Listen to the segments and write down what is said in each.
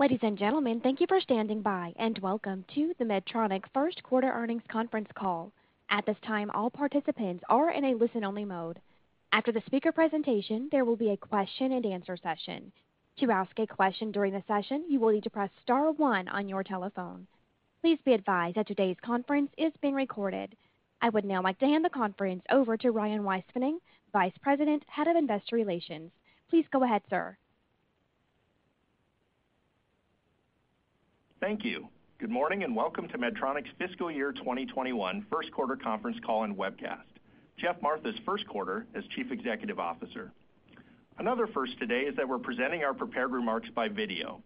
Ladies and gentlemen, thank you for standing by, and welcome to the Medtronic first quarter earnings conference call. At this time, all participants are in a listen-only mode. After the speaker presentation, there will be a question and answer session. To ask a question during the session, you will need to press star one on your telephone. Please be advised that today's conference is being recorded. I would now like to hand the conference over to Ryan Weispfenning, Vice President, Head of Investor Relations. Please go ahead, sir. Thank you. Good morning. Welcome to Medtronic's fiscal year 2021 first quarter conference call and webcast. Geoff Martha's first quarter as Chief Executive Officer. Another first today is that we're presenting our prepared remarks by video.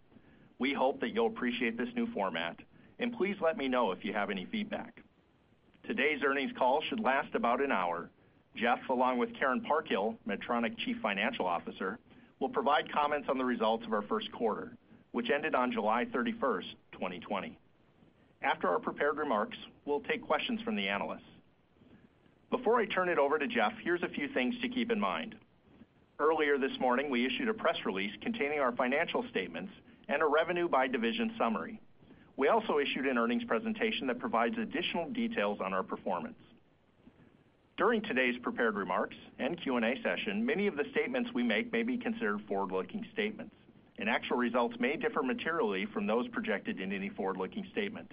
We hope that you'll appreciate this new format, and please let me know if you have any feedback. Today's earnings call should last about an hour. Geoff, along with Karen Parkhill, Medtronic Chief Financial Officer, will provide comments on the results of our first quarter, which ended on July 31, 2020. After our prepared remarks, we'll take questions from the analysts. Before I turn it over to Geoff, here's a few things to keep in mind. Earlier this morning, we issued a press release containing our financial statements and a revenue by division summary. We also issued an earnings presentation that provides additional details on our performance. During today's prepared remarks and Q&A session, many of the statements we make may be considered forward-looking statements, and actual results may differ materially from those projected in any forward-looking statement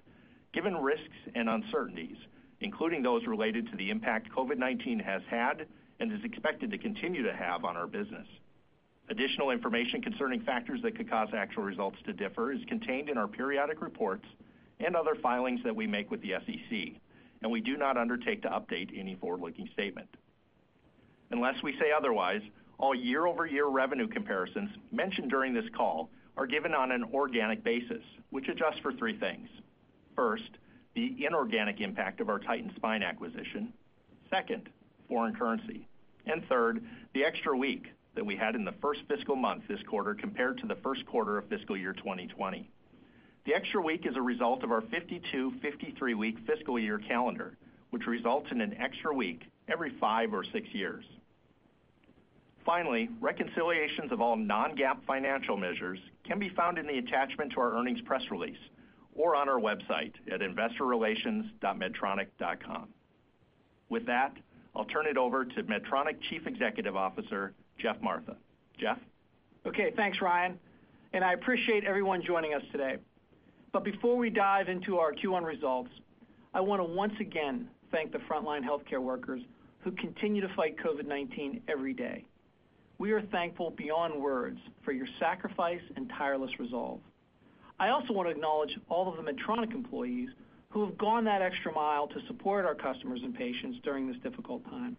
given risks and uncertainties, including those related to the impact COVID-19 has had and is expected to continue to have on our business. Additional information concerning factors that could cause actual results to differ is contained in our periodic reports and other filings that we make with the SEC, and we do not undertake to update any forward-looking statement. Unless we say otherwise, all year-over-year revenue comparisons mentioned during this call are given on an organic basis, which adjusts for three things. First, the inorganic impact of our Titan Spine acquisition. Second, foreign currency. Third, the extra week that we had in the first fiscal month this quarter compared to the first quarter of fiscal year 2020. The extra week is a result of our 52, 53-week fiscal year calendar, which results in an extra week every five or six years. Finally, reconciliations of all non-GAAP financial measures can be found in the attachment to our earnings press release or on our website at investorrelations.medtronic.com. With that, I'll turn it over to Medtronic Chief Executive Officer, Geoff Martha. Geoff? Okay. Thanks, Ryan. I appreciate everyone joining us today. Before we dive into our Q1 results, I want to once again thank the frontline healthcare workers who continue to fight COVID-19 every day. We are thankful beyond words for your sacrifice and tireless resolve. I also want to acknowledge all of the Medtronic employees who have gone that extra mile to support our customers and patients during this difficult time.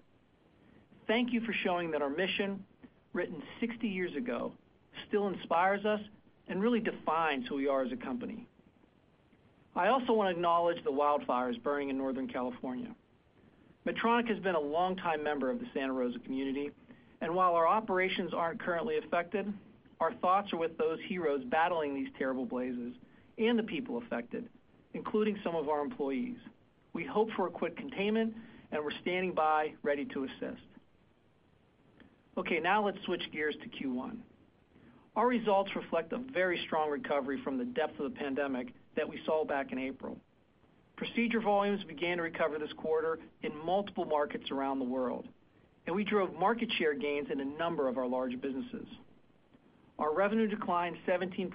Thank you for showing that our mission, written 60 years ago, still inspires us and really defines who we are as a company. I also want to acknowledge the wildfires burning in Northern California. Medtronic has been a longtime member of the Santa Rosa community, and while our operations aren't currently affected, our thoughts are with those heroes battling these terrible blazes and the people affected, including some of our employees. We hope for a quick containment, and we're standing by, ready to assist. Okay, now let's switch gears to Q1. Our results reflect a very strong recovery from the depth of the pandemic that we saw back in April. Procedure volumes began to recover this quarter in multiple markets around the world, and we drove market share gains in a number of our large businesses. Our revenue declined 17%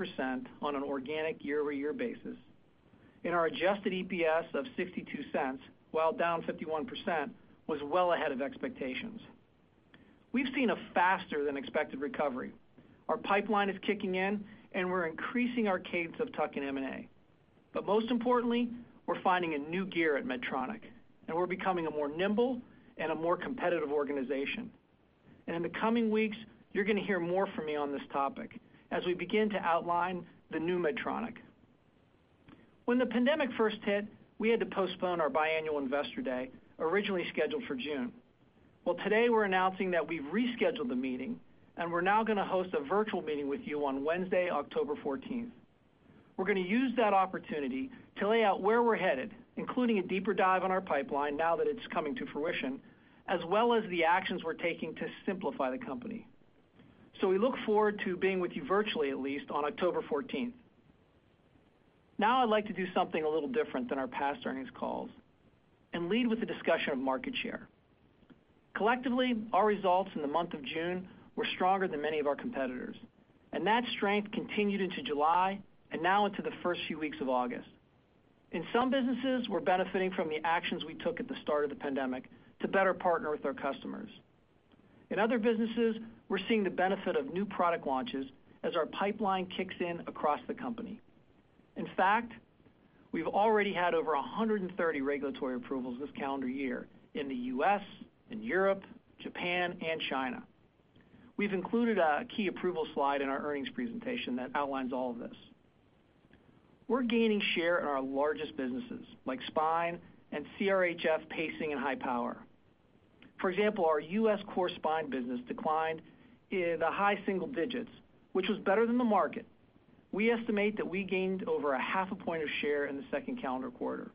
on an organic year-over-year basis. Our adjusted EPS of $0.62, while down 51%, was well ahead of expectations. We've seen a faster than expected recovery. Our pipeline is kicking in, and we're increasing our cadence of tuck-in M&A. Most importantly, we're finding a new gear at Medtronic, and we're becoming a more nimble and a more competitive organization. In the coming weeks, you're going to hear more from me on this topic as we begin to outline the new Medtronic. When the pandemic first hit, we had to postpone our biannual investor day, originally scheduled for June. Today we're announcing that we've rescheduled the meeting, and we're now going to host a virtual meeting with you on Wednesday, October 14th. We're going to use that opportunity to lay out where we're headed, including a deeper dive on our pipeline now that it's coming to fruition, as well as the actions we're taking to simplify the company. We look forward to being with you virtually, at least, on October 14th. I'd like to do something a little different than our past earnings calls and lead with a discussion of market share. Collectively, our results in the month of June were stronger than many of our competitors. That strength continued into July and now into the first few weeks of August. In some businesses, we're benefiting from the actions we took at the start of the pandemic to better partner with our customers. In other businesses, we're seeing the benefit of new product launches as our pipeline kicks in across the company. In fact, we've already had over 130 regulatory approvals this calendar year in the U.S., in Europe, Japan, and China. We've included a key approval slide in our earnings presentation that outlines all of this. We're gaining share in our largest businesses, like Spine and CRHF pacing and high power. For example, our U.S. core Spine business declined in the high single digits, which was better than the market. We estimate that we gained over a half a point of share in the second calendar quarter.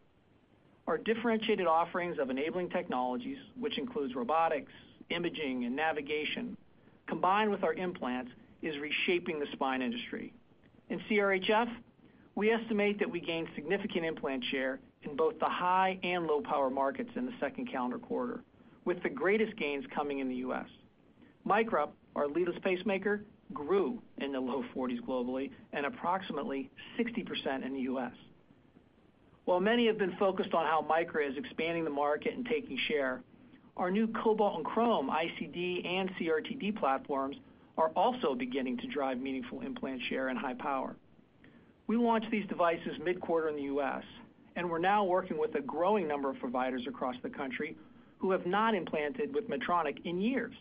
Our differentiated offerings of enabling technologies, which includes robotics, imaging, and navigation, combined with our implants, is reshaping the spine industry. In CRHF, we estimate that we gained significant implant share in both the high and low-power markets in the second calendar quarter, with the greatest gains coming in the U.S. Micra, our leadless pacemaker, grew in the low 40s globally and approximately 60% in the U.S. While many have been focused on how Micra is expanding the market and taking share, our new Cobalt and Crome ICD and CRT-D platforms are also beginning to drive meaningful implant share and high power. We launched these devices mid-quarter in the U.S., and we're now working with a growing number of providers across the country who have not implanted with Medtronic in years.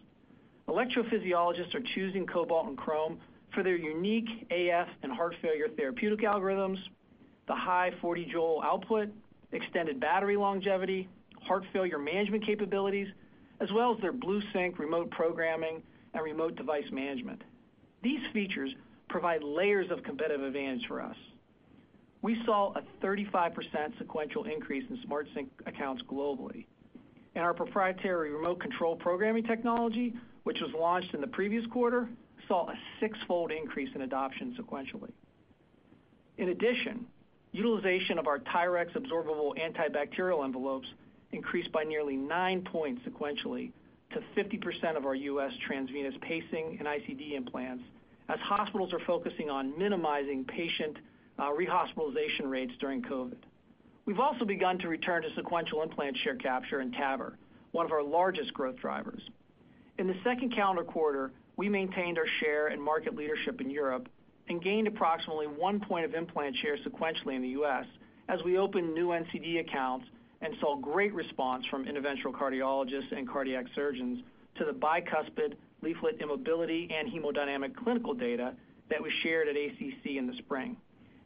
Electrophysiologists are choosing Cobalt and Crome for their unique AF and heart failure therapeutic algorithms, the high 40-joule output, extended battery longevity, heart failure management capabilities, as well as their BlueSync remote programming and remote device management. These features provide layers of competitive advantage for us. We saw a 35% sequential increase in SmartSync accounts globally, and our proprietary remote control programming technology, which was launched in the previous quarter, saw a six-fold increase in adoption sequentially. In addition, utilization of our TYRX absorbable antibacterial envelopes increased by nearly nine points sequentially to 50% of our U.S. transvenous pacing and ICD implants, as hospitals are focusing on minimizing patient rehospitalization rates during COVID-19. We've also begun to return to sequential implant share capture in TAVR, one of our largest growth drivers. In the second calendar quarter, we maintained our share in market leadership in Europe and gained approximately one point of implant share sequentially in the U.S. as we opened new NCD accounts and saw great response from interventional cardiologists and cardiac surgeons to the bicuspid leaflet immobility and hemodynamic clinical data that we shared at ACC in the spring.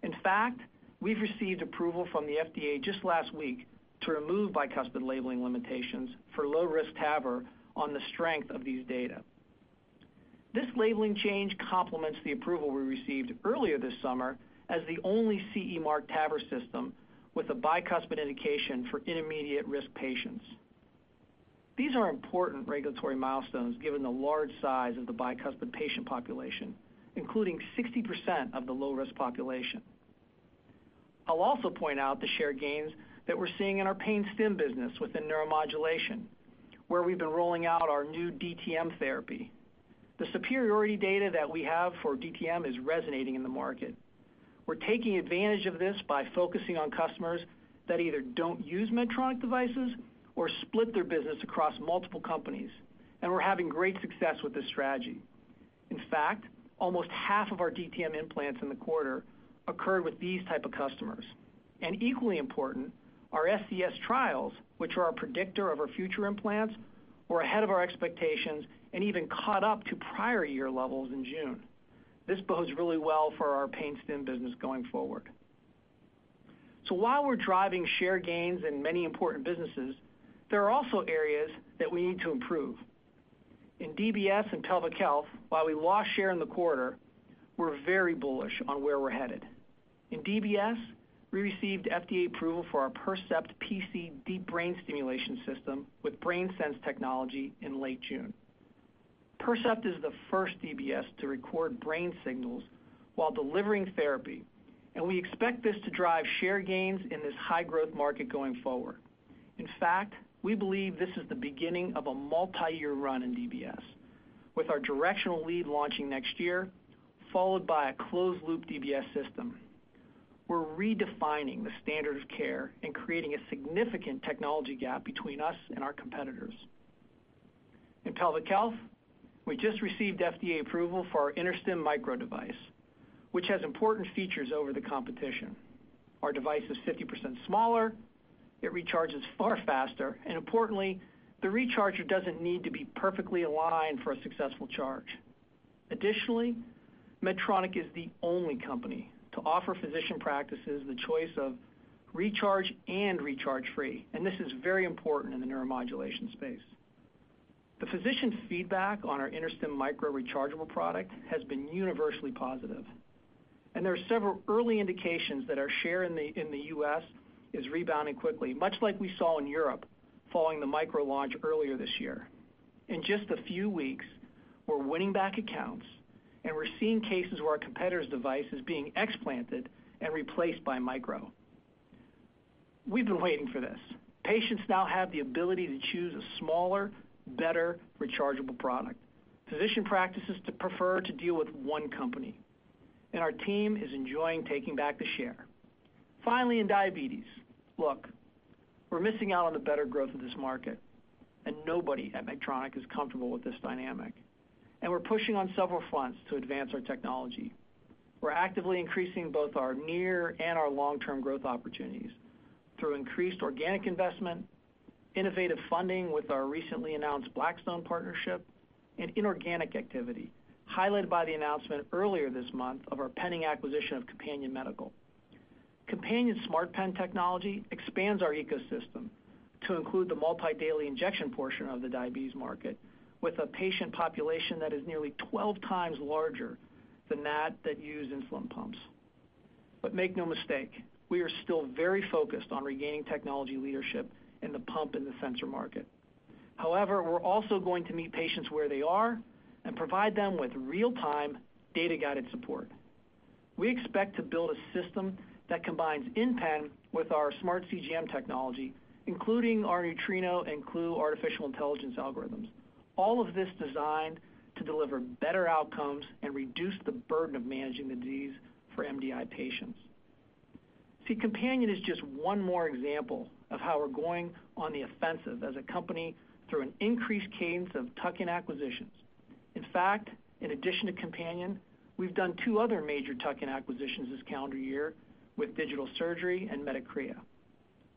In fact, we've received approval from the FDA just last week to remove bicuspid labeling limitations for low-risk TAVR on the strength of these data. This labeling change complements the approval we received earlier this summer as the only CE marked TAVR system with a bicuspid indication for intermediate-risk patients. These are important regulatory milestones given the large size of the bicuspid patient population, including 60% of the low-risk population. I'll also point out the share gains that we're seeing in our pain stim business within neuromodulation, where we've been rolling out our new DTM therapy. The superiority data that we have for DTM is resonating in the market. We're taking advantage of this by focusing on customers that either don't use Medtronic devices or split their business across multiple companies, and we're having great success with this strategy. In fact, almost half of our DTM implants in the quarter occurred with these type of customers. Equally important, our SCS trials, which are our predictor of our future implants, were ahead of our expectations and even caught up to prior year levels in June. This bodes really well for our pain stim business going forward. While we're driving share gains in many important businesses, there are also areas that we need to improve. In DBS and Pelvic Health, while we lost share in the quarter, we're very bullish on where we're headed. In DBS, we received FDA approval for our Percept PC Deep Brain Stimulation System with BrainSense technology in late June. Percept is the first DBS to record brain signals while delivering therapy, and we expect this to drive share gains in this high-growth market going forward. In fact, we believe this is the beginning of a multi-year run in DBS, with our directional lead launching next year, followed by a closed-loop DBS system. We're redefining the standard of care and creating a significant technology gap between us and our competitors. In Pelvic Health, we just received FDA approval for our InterStim Micro device, which has important features over the competition. Our device is 50% smaller, it recharges far faster, and importantly, the recharger doesn't need to be perfectly aligned for a successful charge. Additionally, Medtronic is the only company to offer physician practices the choice of recharge and recharge free, and this is very important in the neuromodulation space. The physician feedback on our InterStim Micro rechargeable product has been universally positive, and there are several early indications that our share in the U.S. is rebounding quickly, much like we saw in Europe following the Micro launch earlier this year. In just a few weeks, we're winning back accounts, and we're seeing cases where a competitor's device is being explanted and replaced by Micro. We've been waiting for this. Patients now have the ability to choose a smaller, better rechargeable product. Physician practices prefer to deal with one company, and our team is enjoying taking back the share. Finally, in diabetes. Look, we're missing out on the better growth of this market, and nobody at Medtronic is comfortable with this dynamic. We're pushing on several fronts to advance our technology. We're actively increasing both our near and our long-term growth opportunities through increased organic investment, innovative funding with our recently announced Blackstone partnership, and inorganic activity, highlighted by the announcement earlier this month of our pending acquisition of Companion Medical. Companion's Smart Pen technology expands our ecosystem to include the multi-daily injection portion of the diabetes market with a patient population that is nearly 12 times larger than that use insulin pumps. Make no mistake, we are still very focused on regaining technology leadership in the pump and the sensor market. However, we're also going to meet patients where they are and provide them with real-time, data-guided support. We expect to build a system that combines InPen with our smart CGM technology, including our Nutrino and Klue artificial intelligence algorithms. All of this designed to deliver better outcomes and reduce the burden of managing the disease for MDI patients. See, Companion is just one more example of how we're going on the offensive as a company through an increased cadence of tuck-in acquisitions. In fact, in addition to Companion, we've done two other major tuck-in acquisitions this calendar year with Digital Surgery and Medicrea.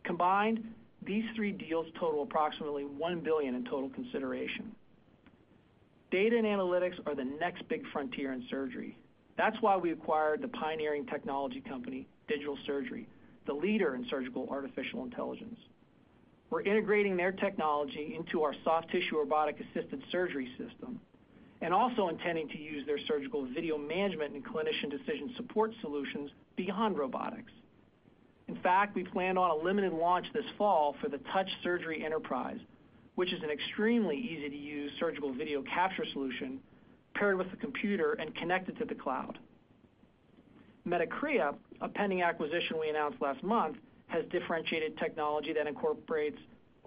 Combined, these three deals total approximately $1 billion in total consideration. Data and analytics are the next big frontier in surgery. That's why we acquired the pioneering technology company, Digital Surgery, the leader in surgical artificial intelligence. We're integrating their technology into our soft tissue robotic-assisted surgery system, and also intending to use their surgical video management and clinician decision support solutions beyond robotics. In fact, we plan on a limited launch this fall for the Touch Surgery Enterprise, which is an extremely easy-to-use surgical video capture solution paired with a computer and connected to the cloud. Medicrea, a pending acquisition we announced last month, has differentiated technology that incorporates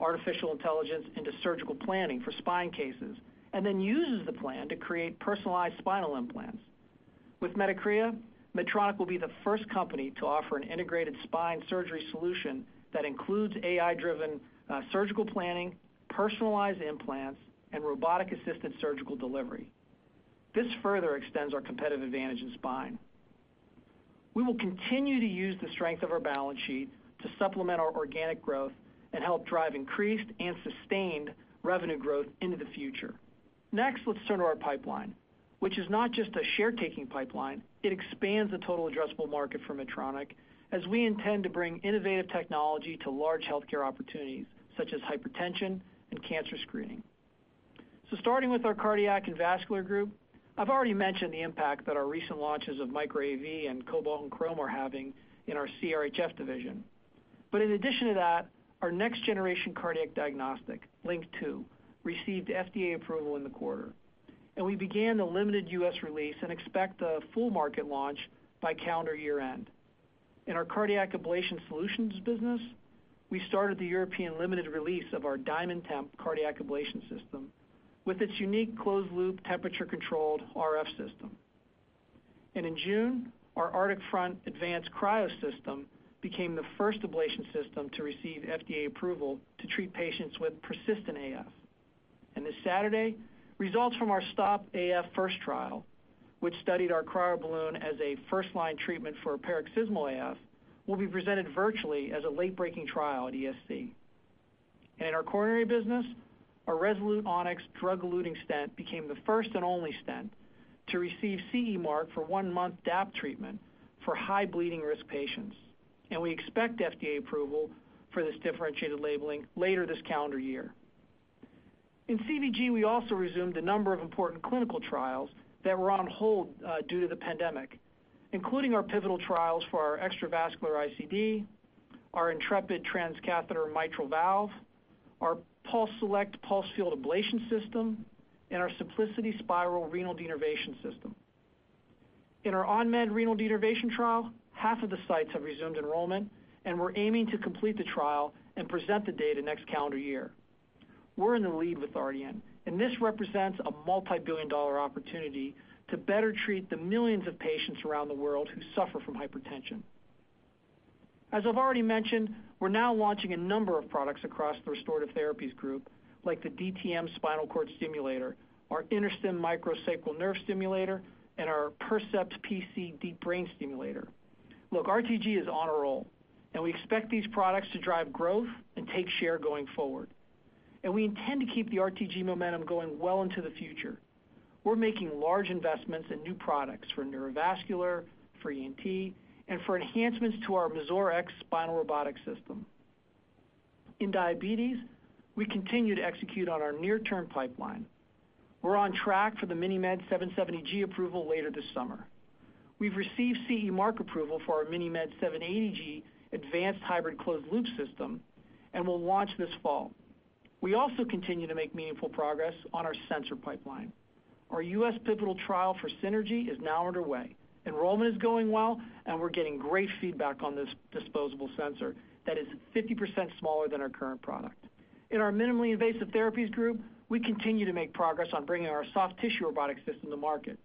artificial intelligence into surgical planning for spine cases, and then uses the plan to create personalized spinal implants. With Medicrea, Medtronic will be the first company to offer an integrated spine surgery solution that includes AI-driven surgical planning, personalized implants, and robotic-assisted surgical delivery. This further extends our competitive advantage in spine. We will continue to use the strength of our balance sheet to supplement our organic growth and help drive increased and sustained revenue growth into the future. Next, let's turn to our pipeline, which is not just a share-taking pipeline, it expands the total addressable market for Medtronic as we intend to bring innovative technology to large healthcare opportunities, such as hypertension and cancer screening. Starting with our cardiac and vascular group, I've already mentioned the impact that our recent launches of Micra AV and Cobalt and Crome are having in our CRHF division. In addition to that, our next generation cardiac diagnostic, LINQ II, received FDA approval in the quarter. We began the limited U.S. release and expect the full market launch by calendar year-end. In our cardiac ablation solutions business, we started the European limited release of our DiamondTemp cardiac ablation system with its unique closed-loop temperature-controlled RF system. In June, our Arctic Front advanced cryo system became the first ablation system to receive FDA approval to treat patients with persistent AF. This Saturday, results from our STOP AF First trial, which studied our cryo balloon as a first-line treatment for paroxysmal AF, will be presented virtually as a late-breaking trial at ESC. In our coronary business, our Resolute Onyx drug-eluting stent became the first and only stent to receive CE mark for one-month DAPT treatment for high bleeding risk patients, and we expect FDA approval for this differentiated labeling later this calendar year. In CVG, we also resumed a number of important clinical trials that were on hold due to the pandemic, including our pivotal trials for our extravascular ICD, our Intrepid transcatheter mitral valve, our PulseSelect pulsed field ablation system, and our Symplicity Spyral renal denervation system. In our ON MED renal denervation trial, half of the sites have resumed enrollment, and we're aiming to complete the trial and present the data next calendar year. We're in the lead with Ardian, this represents a multibillion-dollar opportunity to better treat the millions of patients around the world who suffer from hypertension. As I've already mentioned, we're now launching a number of products across the Restorative Therapies Group, like the DTM spinal cord stimulator, our InterStim Micro sacral nerve stimulator, and our Percept PC deep brain stimulator. Look, RTG is on a roll, and we expect these products to drive growth and take share going forward. We intend to keep the RTG momentum going well into the future. We're making large investments in new products for neurovascular, for ENT, and for enhancements to our Mazor X spinal robotic system. In diabetes, we continue to execute on our near-term pipeline. We're on track for the MiniMed 770G approval later this summer. We've received CE mark approval for our MiniMed 780G advanced hybrid closed loop system and will launch this fall. We also continue to make meaningful progress on our sensor pipeline. Our U.S. pivotal trial for Synergy is now underway. Enrollment is going well and we're getting great feedback on this disposable sensor that is 50% smaller than our current product. In our minimally invasive therapies group, we continue to make progress on bringing our soft tissue robotic system to market.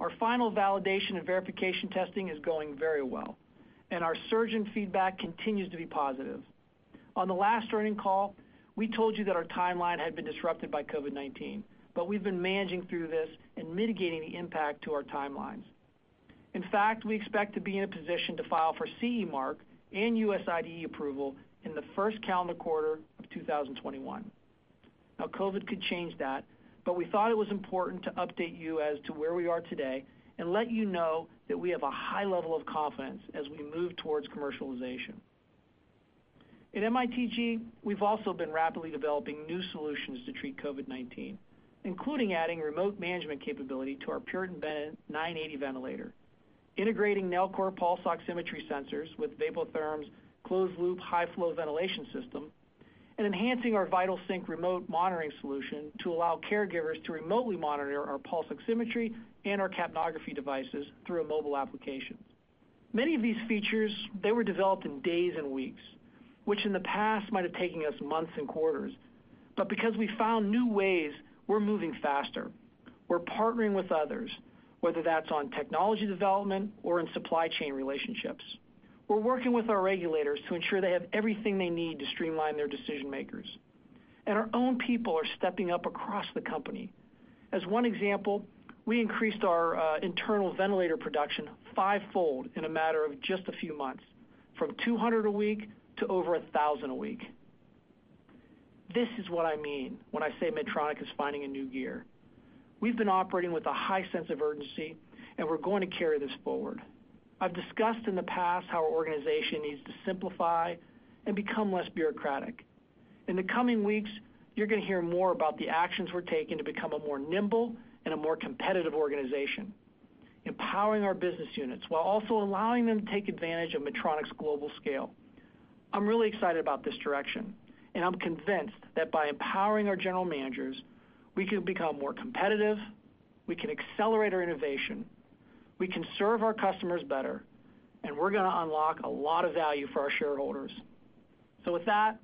Our final validation and verification testing is going very well. Our surgeon feedback continues to be positive. On the last earnings call, we told you that our timeline had been disrupted by COVID-19. We've been managing through this and mitigating the impact to our timelines. In fact, we expect to be in a position to file for CE mark and U.S. IDE approval in the first calendar quarter of 2021. COVID could change that, but we thought it was important to update you as to where we are today and let you know that we have a high level of confidence as we move towards commercialization. At MITG, we've also been rapidly developing new solutions to treat COVID-19, including adding remote management capability to our Puritan Bennett 980 ventilator, integrating Nellcor pulse oximetry sensors with Vapotherm's closed-loop high-flow ventilation system, and enhancing our Vital Sync remote monitoring solution to allow caregivers to remotely monitor our pulse oximetry and our capnography devices through a mobile application. Many of these features, they were developed in days and weeks, which in the past might have taken us months and quarters. Because we found new ways, we're moving faster. We're partnering with others, whether that's on technology development or in supply chain relationships. We're working with our regulators to ensure they have everything they need to streamline their decision makers. Our own people are stepping up across the company. As one example, we increased our internal ventilator production fivefold in a matter of just a few months, from 200 a week to over 1,000 a week. This is what I mean when I say Medtronic is finding a new gear. We've been operating with a high sense of urgency, and we're going to carry this forward. I've discussed in the past how our organization needs to simplify and become less bureaucratic. In the coming weeks, you're going to hear more about the actions we're taking to become a more nimble and a more competitive organization, empowering our business units while also allowing them to take advantage of Medtronic's global scale. I'm really excited about this direction, and I'm convinced that by empowering our general managers, we can become more competitive, we can accelerate our innovation, we can serve our customers better, and we're going to unlock a lot of value for our shareholders. With that,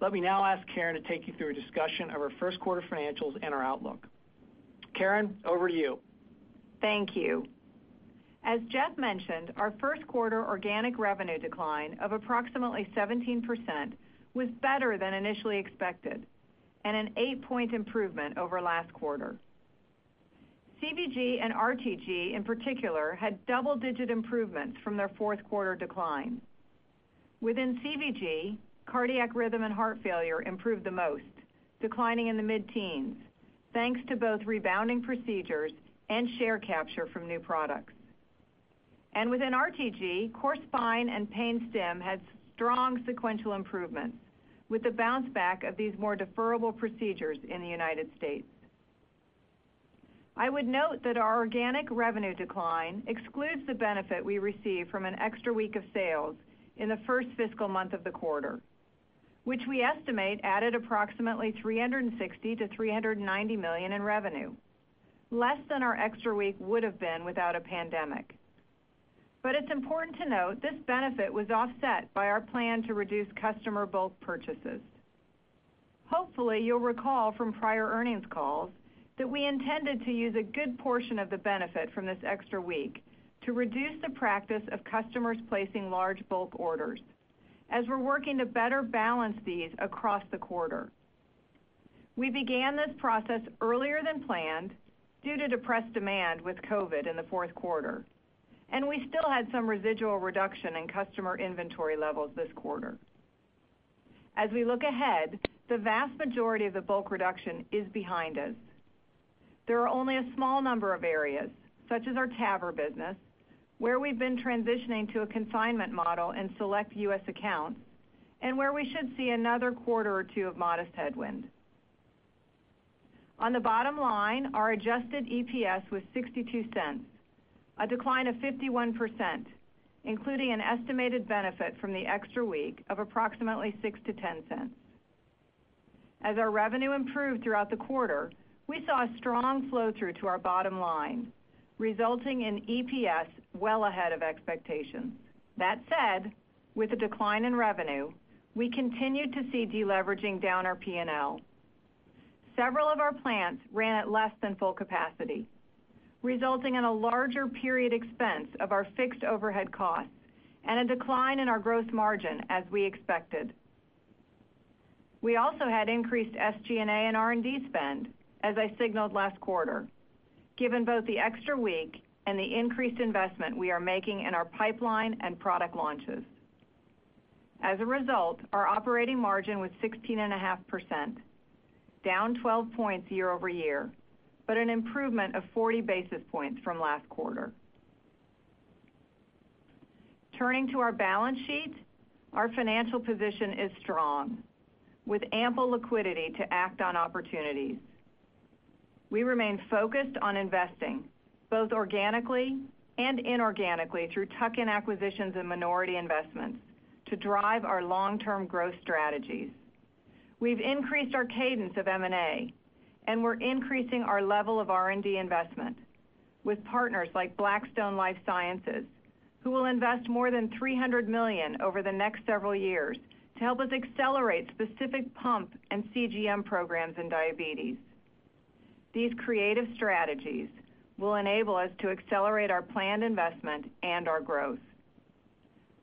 let me now ask Karen to take you through a discussion of our first quarter financials and our outlook. Karen, over to you. Thank you. As Geoff mentioned, our first quarter organic revenue decline of approximately 17% was better than initially expected and an eight-point improvement over last quarter. CVG and RTG, in particular, had double-digit improvements from their fourth quarter decline. Within CVG, cardiac rhythm and heart failure improved the most, declining in the mid-teens, thanks to both rebounding procedures and share capture from new products. Within RTG, core spine and pain stim had strong sequential improvements with the bounce back of these more deferrable procedures in the U.S. I would note that our organic revenue decline excludes the benefit we received from an extra week of sales in the first fiscal month of the quarter, which we estimate added approximately $360 million-$390 million in revenue, less than our extra week would've been without a pandemic. It's important to note, this benefit was offset by our plan to reduce customer bulk purchases. Hopefully, you'll recall from prior earnings calls that we intended to use a good portion of the benefit from this extra week to reduce the practice of customers placing large bulk orders, as we're working to better balance these across the quarter. We began this process earlier than planned due to depressed demand with COVID in the fourth quarter, and we still had some residual reduction in customer inventory levels this quarter. As we look ahead, the vast majority of the bulk reduction is behind us. There are only a small number of areas, such as our TAVR business, where we've been transitioning to a consignment model in select U.S. accounts and where we should see another quarter or two of modest headwind. On the bottom line, our adjusted EPS was $0.62, a decline of 51%, including an estimated benefit from the extra week of approximately $0.06-$0.10. As our revenue improved throughout the quarter, we saw a strong flow-through to our bottom line, resulting in EPS well ahead of expectations. That said, with a decline in revenue, we continued to see deleveraging down our P&L. Several of our plants ran at less than full capacity, resulting in a larger period expense of our fixed overhead costs and a decline in our growth margin as we expected. We also had increased SG&A and R&D spend, as I signaled last quarter, given both the extra week and the increased investment we are making in our pipeline and product launches. As a result, our operating margin was 16.5%, down 12 points year-over-year, but an improvement of 40 basis points from last quarter. Turning to our balance sheet, our financial position is strong with ample liquidity to act on opportunities. We remain focused on investing, both organically and inorganically through tuck-in acquisitions and minority investments to drive our long-term growth strategies. We've increased our cadence of M&A, and we're increasing our level of R&D investment with partners like Blackstone Life Sciences, who will invest more than $300 million over the next several years to help us accelerate specific pump and CGM programs in diabetes. These creative strategies will enable us to accelerate our planned investment and our growth.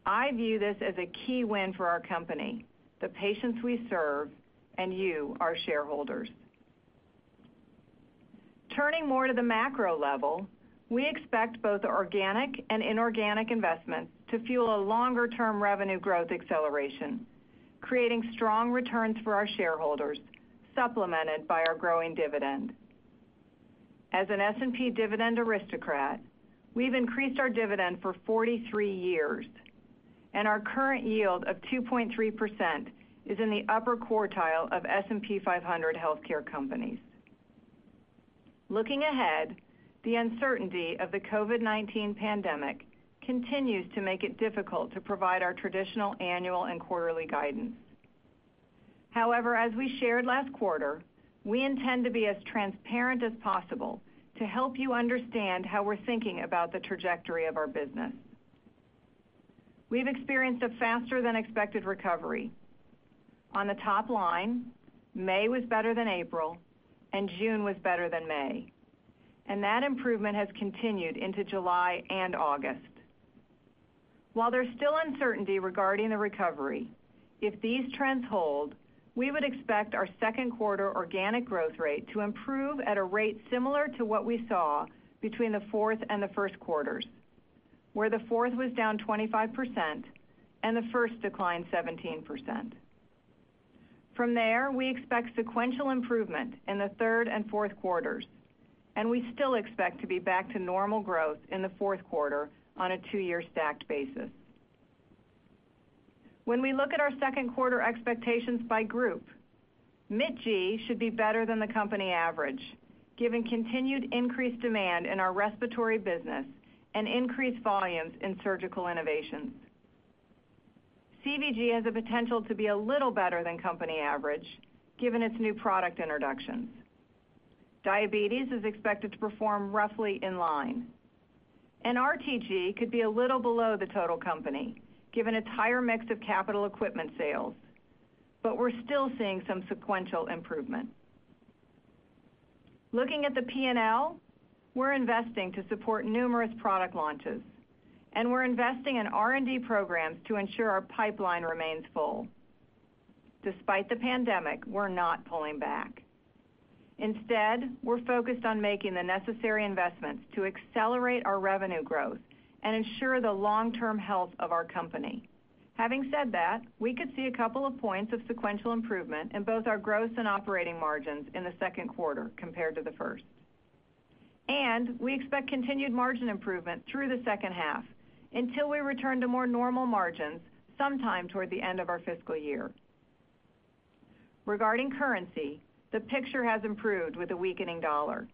I view this as a key win for our company, the patients we serve, and you, our shareholders. Turning more to the macro level, we expect both organic and inorganic investments to fuel a longer-term revenue growth acceleration, creating strong returns for our shareholders, supplemented by our growing dividend. As an S&P dividend aristocrat, we've increased our dividend for 43 years, and our current yield of 2.3% is in the upper quartile of S&P 500 healthcare companies. Looking ahead, the uncertainty of the COVID-19 pandemic continues to make it difficult to provide our traditional annual and quarterly guidance. As we shared last quarter, we intend to be as transparent as possible to help you understand how we're thinking about the trajectory of our business. We've experienced a faster than expected recovery. On the top line, May was better than April, and June was better than May. That improvement has continued into July and August. While there's still uncertainty regarding the recovery, if these trends hold, we would expect our second quarter organic growth rate to improve at a rate similar to what we saw between the fourth and the first quarters, where the fourth was down 25% and the first declined 17%. From there, we expect sequential improvement in the third and fourth quarters, and we still expect to be back to normal growth in the fourth quarter on a 2-year stacked basis. When we look at our second quarter expectations by group, MITG should be better than the company average, given continued increased demand in our respiratory business and increased volumes in surgical innovations. CVG has the potential to be a little better than company average, given its new product introductions. Diabetes is expected to perform roughly in line. RTG could be a little below the total company, given its higher mix of capital equipment sales, but we're still seeing some sequential improvement. Looking at the P&L, we're investing to support numerous product launches, and we're investing in R&D programs to ensure our pipeline remains full. Despite the pandemic, we're not pulling back. Instead, we're focused on making the necessary investments to accelerate our revenue growth and ensure the long-term health of our company. Having said that, we could see a couple of points of sequential improvement in both our gross and operating margins in the second quarter compared to the first. We expect continued margin improvement through the second half until we return to more normal margins sometime toward the end of our fiscal year. Regarding currency, the picture has improved with a weakening dollar.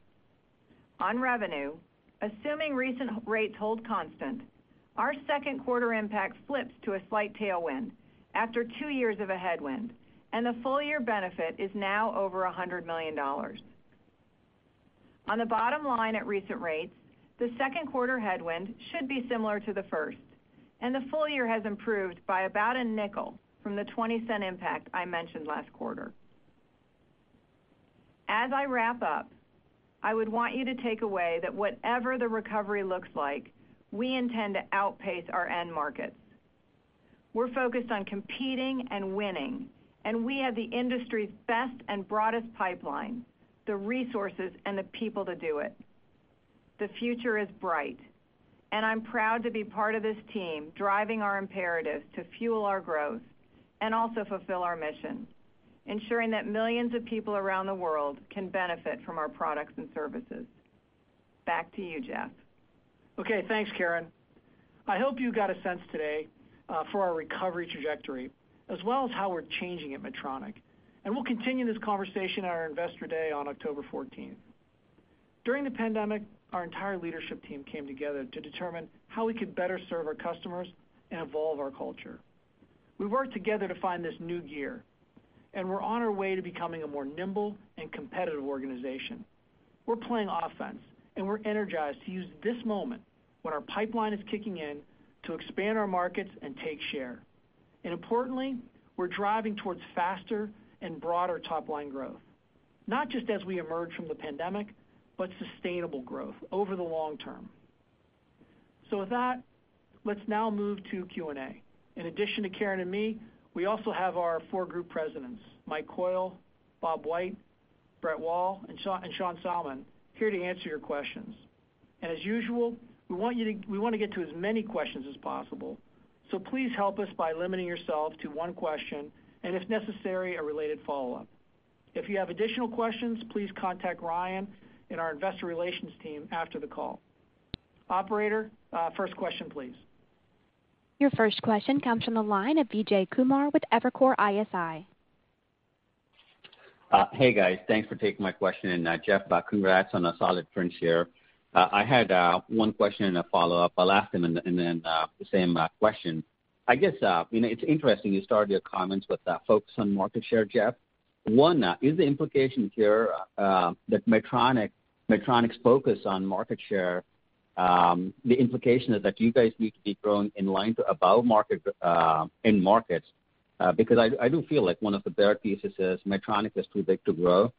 On revenue, assuming recent rates hold constant, our second quarter impact flips to a slight tailwind after two years of a headwind, and the full-year benefit is now over $100 million. On the bottom line at recent rates, the second quarter headwind should be similar to the first, and the full year has improved by about $0.05 from the $0.20 impact I mentioned last quarter. As I wrap up, I would want you to take away that whatever the recovery looks like, we intend to outpace our end markets. We're focused on competing and winning, and we have the industry's best and broadest pipeline, the resources, and the people to do it. The future is bright, and I'm proud to be part of this team driving our imperatives to fuel our growth and also fulfill our mission, ensuring that millions of people around the world can benefit from our products and services. Back to you, Geoff. Okay. Thanks, Karen. I hope you got a sense today for our recovery trajectory, as well as how we're changing at Medtronic. We'll continue this conversation at our Investor Day on October 14th. During the pandemic, our entire leadership team came together to determine how we could better serve our customers and evolve our culture. We worked together to find this new gear, and we're on our way to becoming a more nimble and competitive organization. We're playing offense, and we're energized to use this moment when our pipeline is kicking in to expand our markets and take share. Importantly, we're driving towards faster and broader top-line growth, not just as we emerge from the pandemic, but sustainable growth over the long term. With that, let's now move to Q&A. In addition to Karen and me, we also have our four Group Presidents, Mike Coyle, Bob White, Brett Wall, and Sean Salmon, here to answer your questions. As usual, we want to get to as many questions as possible. Please help us by limiting yourself to one question, and if necessary, a related follow-up. If you have additional questions, please contact Ryan and our investor relations team after the call. Operator, first question, please. Your first question comes from the line of Vijay Kumar with Evercore ISI. Hey, guys. Thanks for taking my question. Geoff, congrats on a solid print share. I had one question and a follow-up. I'll ask them in the same question. I guess, it's interesting you started your comments with the focus on market share, Geoff. One, is the implication here that Medtronic's focus on market share, the implication is that you guys need to be growing in line to above in markets? I do feel like one of the bear thesis is Medtronic is too big to grow.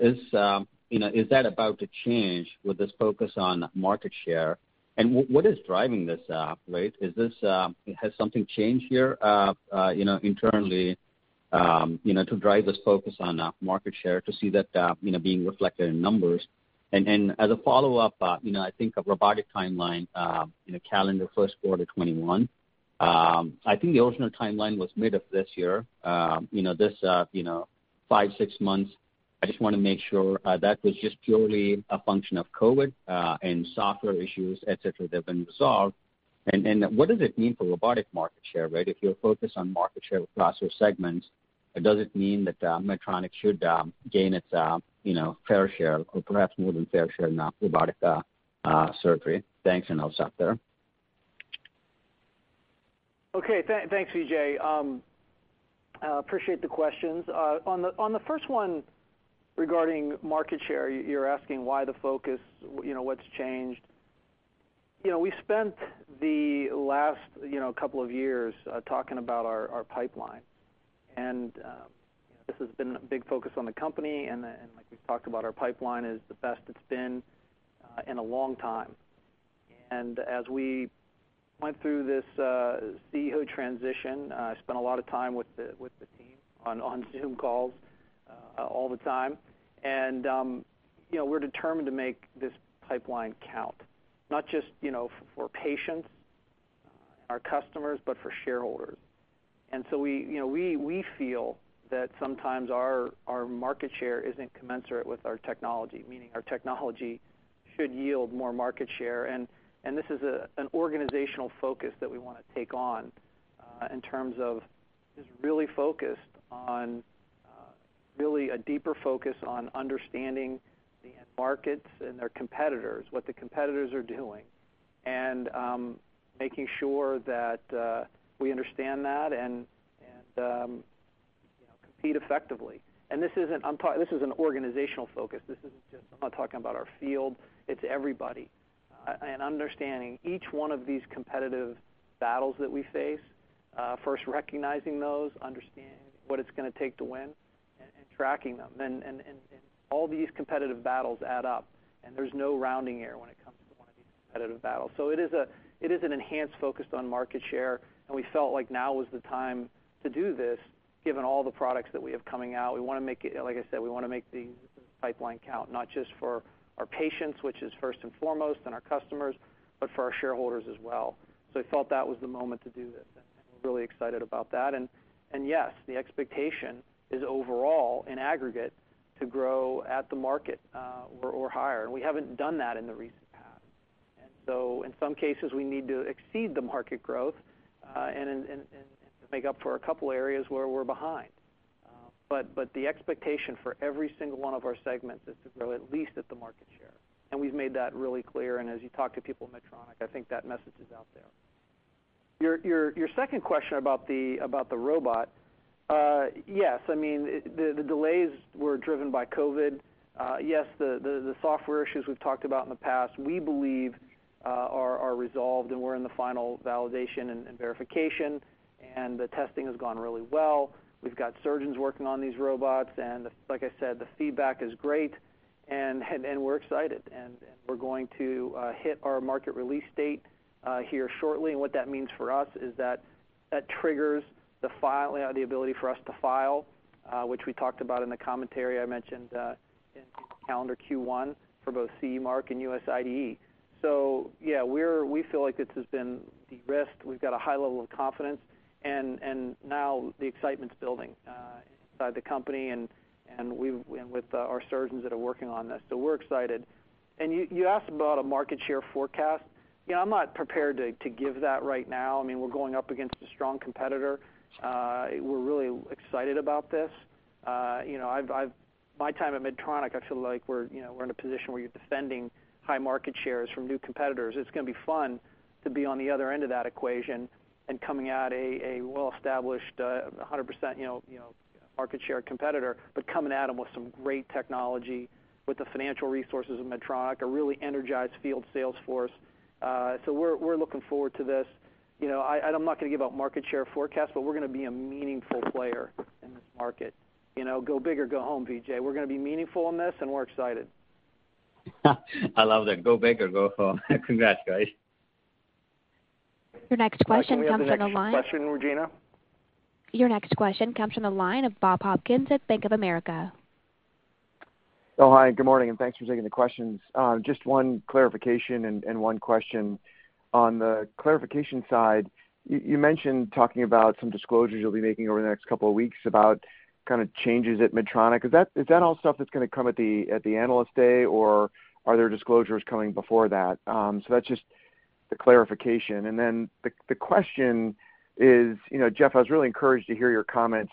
Is that about to change with this focus on market share? What is driving this rate? Has something changed here internally? To drive this focus on market share, to see that being reflected in numbers. As a follow-up, I think a robotic timeline, calendar first quarter 2021. I think the original timeline was mid of this year. This five, six months, I just want to make sure that was just purely a function of COVID and software issues, et cetera, that have been resolved. What does it mean for robotic market share, right? If you're focused on market share with processor segments, does it mean that Medtronic should gain its fair share or perhaps more than fair share in robotic surgery? Thanks, and I'll stop there. Okay, thanks, Vijay. Appreciate the questions. On the first one regarding market share, you're asking why the focus, what's changed. This has been a big focus on the company, like we've talked about, our pipeline is the best it's been in a long time. As we went through this CEO transition, I spent a lot of time with the team on Zoom calls all the time. We're determined to make this pipeline count, not just for patients, our customers, but for shareholders. So we feel that sometimes our market share isn't commensurate with our technology, meaning our technology should yield more market share. This is an organizational focus that we want to take on in terms of just really focused on really a deeper focus on understanding the end markets and their competitors, what the competitors are doing, and making sure that we understand that and compete effectively. This is an organizational focus. I'm not talking about our field. It's everybody, and understanding each one of these competitive battles that we face, first recognizing those, understanding what it's going to take to win, and tracking them. All these competitive battles add up, and there's no rounding error when it comes to one of these competitive battles. It is an enhanced focus on market share, and we felt like now was the time to do this, given all the products that we have coming out. Like I said, we want to make the pipeline count, not just for our patients, which is first and foremost, and our customers, but for our shareholders as well. We felt that was the moment to do this, and we're really excited about that. Yes, the expectation is overall, in aggregate, to grow at the market or higher. We haven't done that in the recent past. In some cases, we need to exceed the market growth and make up for a couple areas where we're behind. The expectation for every single one of our segments is to grow at least at the market share. We've made that really clear. As you talk to people at Medtronic, I think that message is out there. Your second question about the robot. Yes, the delays were driven by COVID. Yes, the software issues we've talked about in the past, we believe are resolved and we're in the final validation and verification, and the testing has gone really well. We've got surgeons working on these robots, and like I said, the feedback is great and we're excited. We're going to hit our market release date here shortly, and what that means for us is that that triggers the ability for us to file, which we talked about in the commentary. I mentioned in calendar Q1 for both CE Mark and US IDE. Yeah, we feel like this has been de-risked. We've got a high level of confidence, and now the excitement's building inside the company and with our surgeons that are working on this. We're excited. You asked about a market share forecast. I'm not prepared to give that right now. We're going up against a strong competitor. We're really excited about this. My time at Medtronic, I feel like we're in a position where you're defending high market shares from new competitors. It's going to be fun to be on the other end of that equation and coming at a well-established, 100% market share competitor, but coming at them with some great technology, with the financial resources of Medtronic, a really energized field sales force. We're looking forward to this. I'm not going to give out market share forecast, but we're going to be a meaningful player in this market. Go big or go home, Vijay. We're going to be meaningful in this, and we're excited. I love that. Go big or go home. Congrats, guys. Your next question comes from the line. Can we have the next question, Regina? Your next question comes from the line of Bob Hopkins at Bank of America. Hi, good morning, and thanks for taking the questions. Just one clarification and one question. On the clarification side, you mentioned talking about some disclosures you'll be making over the next couple of weeks about kind of changes at Medtronic. Is that all stuff that's going to come at the Analyst Day, or are there disclosures coming before that? That's just the clarification. Then the question is, Geoff, I was really encouraged to hear your comments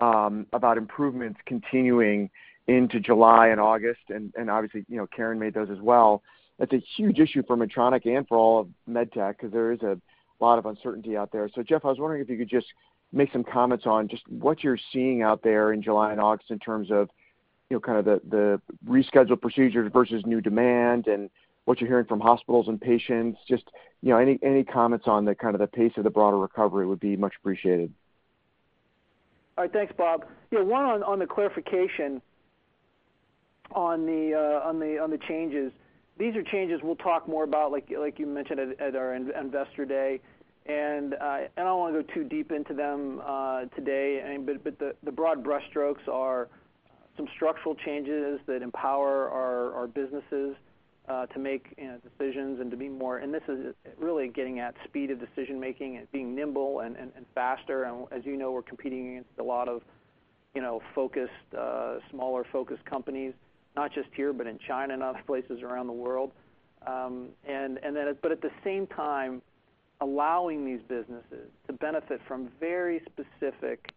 about improvements continuing into July and August, and obviously, Karen made those as well. That's a huge issue for Medtronic and for all of MedTech because there is a lot of uncertainty out there. Geoff, I was wondering if you could just make some comments on just what you're seeing out there in July and August in terms of kind of the rescheduled procedures versus new demand and what you're hearing from hospitals and patients. Just any comments on the kind of the pace of the broader recovery would be much appreciated. All right, thanks, Bob. One, on the clarification on the changes, these are changes we'll talk more about, like you mentioned, at our investor day. I don't want to go too deep into them today, but the broad brushstrokes are some structural changes that empower our businesses to make decisions and to be more. This is really getting at speed of decision-making and being nimble and faster. As you know, we're competing against a lot of focused, smaller, focused companies, not just here, but in China and other places around the world. At the same time, allowing these businesses to benefit from very specific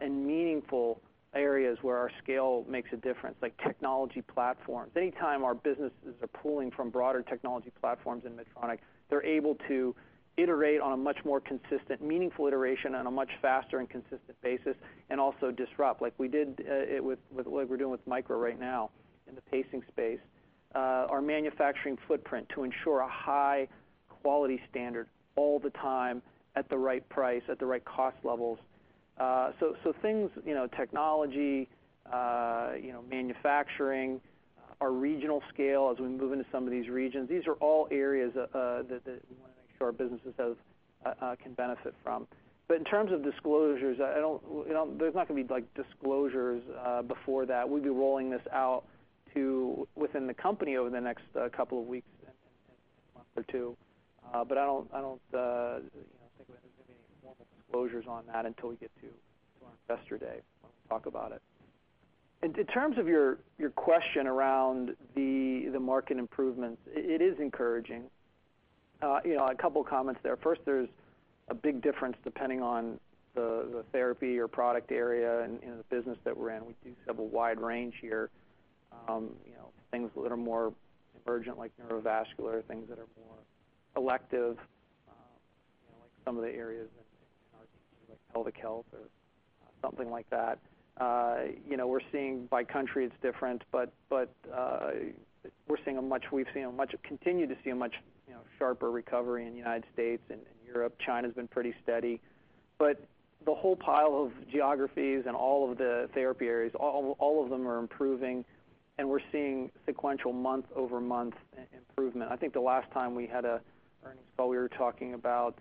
and meaningful areas where our scale makes a difference, like technology platforms. Anytime our businesses are pulling from broader technology platforms in Medtronic, they're able to iterate on a much more consistent, meaningful iteration on a much faster and consistent basis, and also disrupt, like we did with what we're doing with Micra right now in the pacing space. Our manufacturing footprint to ensure a high-quality standard all the time at the right price, at the right cost levels, technology, manufacturing, our regional scale as we move into some of these regions, these a re all areas that we want to make sure our businesses can benefit from. In terms of disclosures, there's not going to be disclosures before that. We'd be rolling this out within the company over the next couple of weeks and month or two. I don't think there's going to be any formal disclosures on that until we get to our investor day when we'll talk about it. In terms of your question around the market improvements, it is encouraging. A couple of comments there. First, there's a big difference depending on the therapy or product area in the business that we're in. We do have a wide range here. Things that are more emergent, like Neurovascular, things that are more elective, like some of the areas in RTG, like pelvic health or something like that. We're seeing by country it's different, but we continue to see a much sharper recovery in the United States and in Europe. China's been pretty steady. The whole pile of geographies and all of the therapy areas, all of them are improving, and we're seeing sequential month-over-month improvement. I think the last time we had an earnings call, we were talking about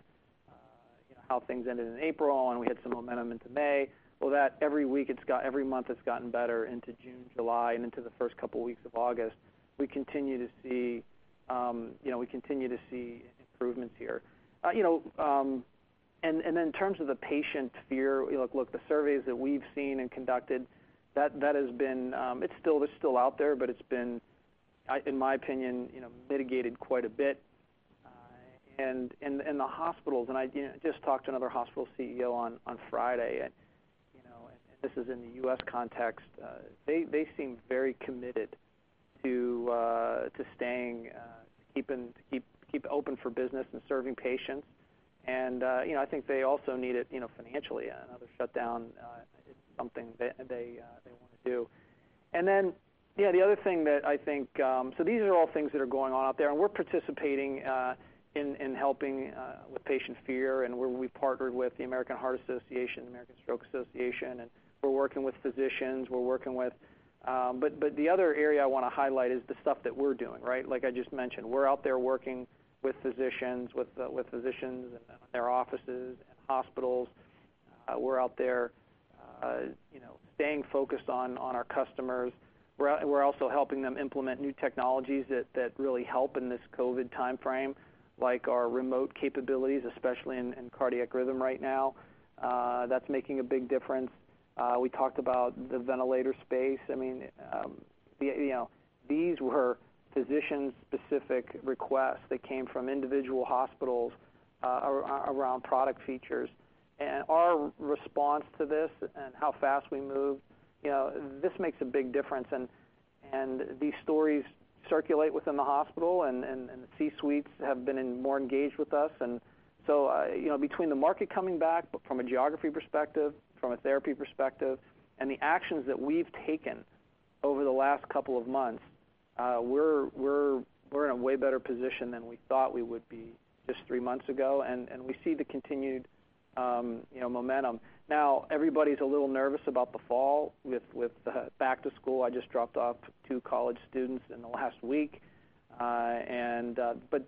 how things ended in April, and we had some momentum into May. Well, every month it's gotten better into June, July, and into the first couple of weeks of August. We continue to see improvements here. In terms of the patient fear, look, the surveys that we've seen and conducted, it's still out there, but it's been, in my opinion, mitigated quite a bit. The hospitals, and I just talked to another hospital CEO on Friday, and this is in the U.S. context, they seem very committed to staying, to keep open for business and serving patients. I think they also need it financially. Another shutdown isn't something they want to do. Yeah, the other thing that I think, so these are all things that are going on out there, and we're participating in helping with patient fear, and we've partnered with the American Heart Association, American Stroke Association, and we're working with physicians. The other area I want to highlight is the stuff that we're doing, right? Like I just mentioned, we're out there working with physicians, with physicians in their offices and hospitals. We're out there staying focused on our customers. We're also helping them implement new technologies that really help in this COVID timeframe, like our remote capabilities, especially in cardiac rhythm right now. That's making a big difference. We talked about the ventilator space. These were physician-specific requests that came from individual hospitals around product features. Our response to this and how fast we moved, this makes a big difference, and these stories circulate within the hospital, and the C-suites have been more engaged with us. Between the market coming back from a geography perspective, from a therapy perspective, and the actions that we've taken over the last couple of months, we're in a way better position than we thought we would be just three months ago, and we see the continued momentum. Everybody's a little nervous about the fall with back to school. I just dropped off two college students in the last week.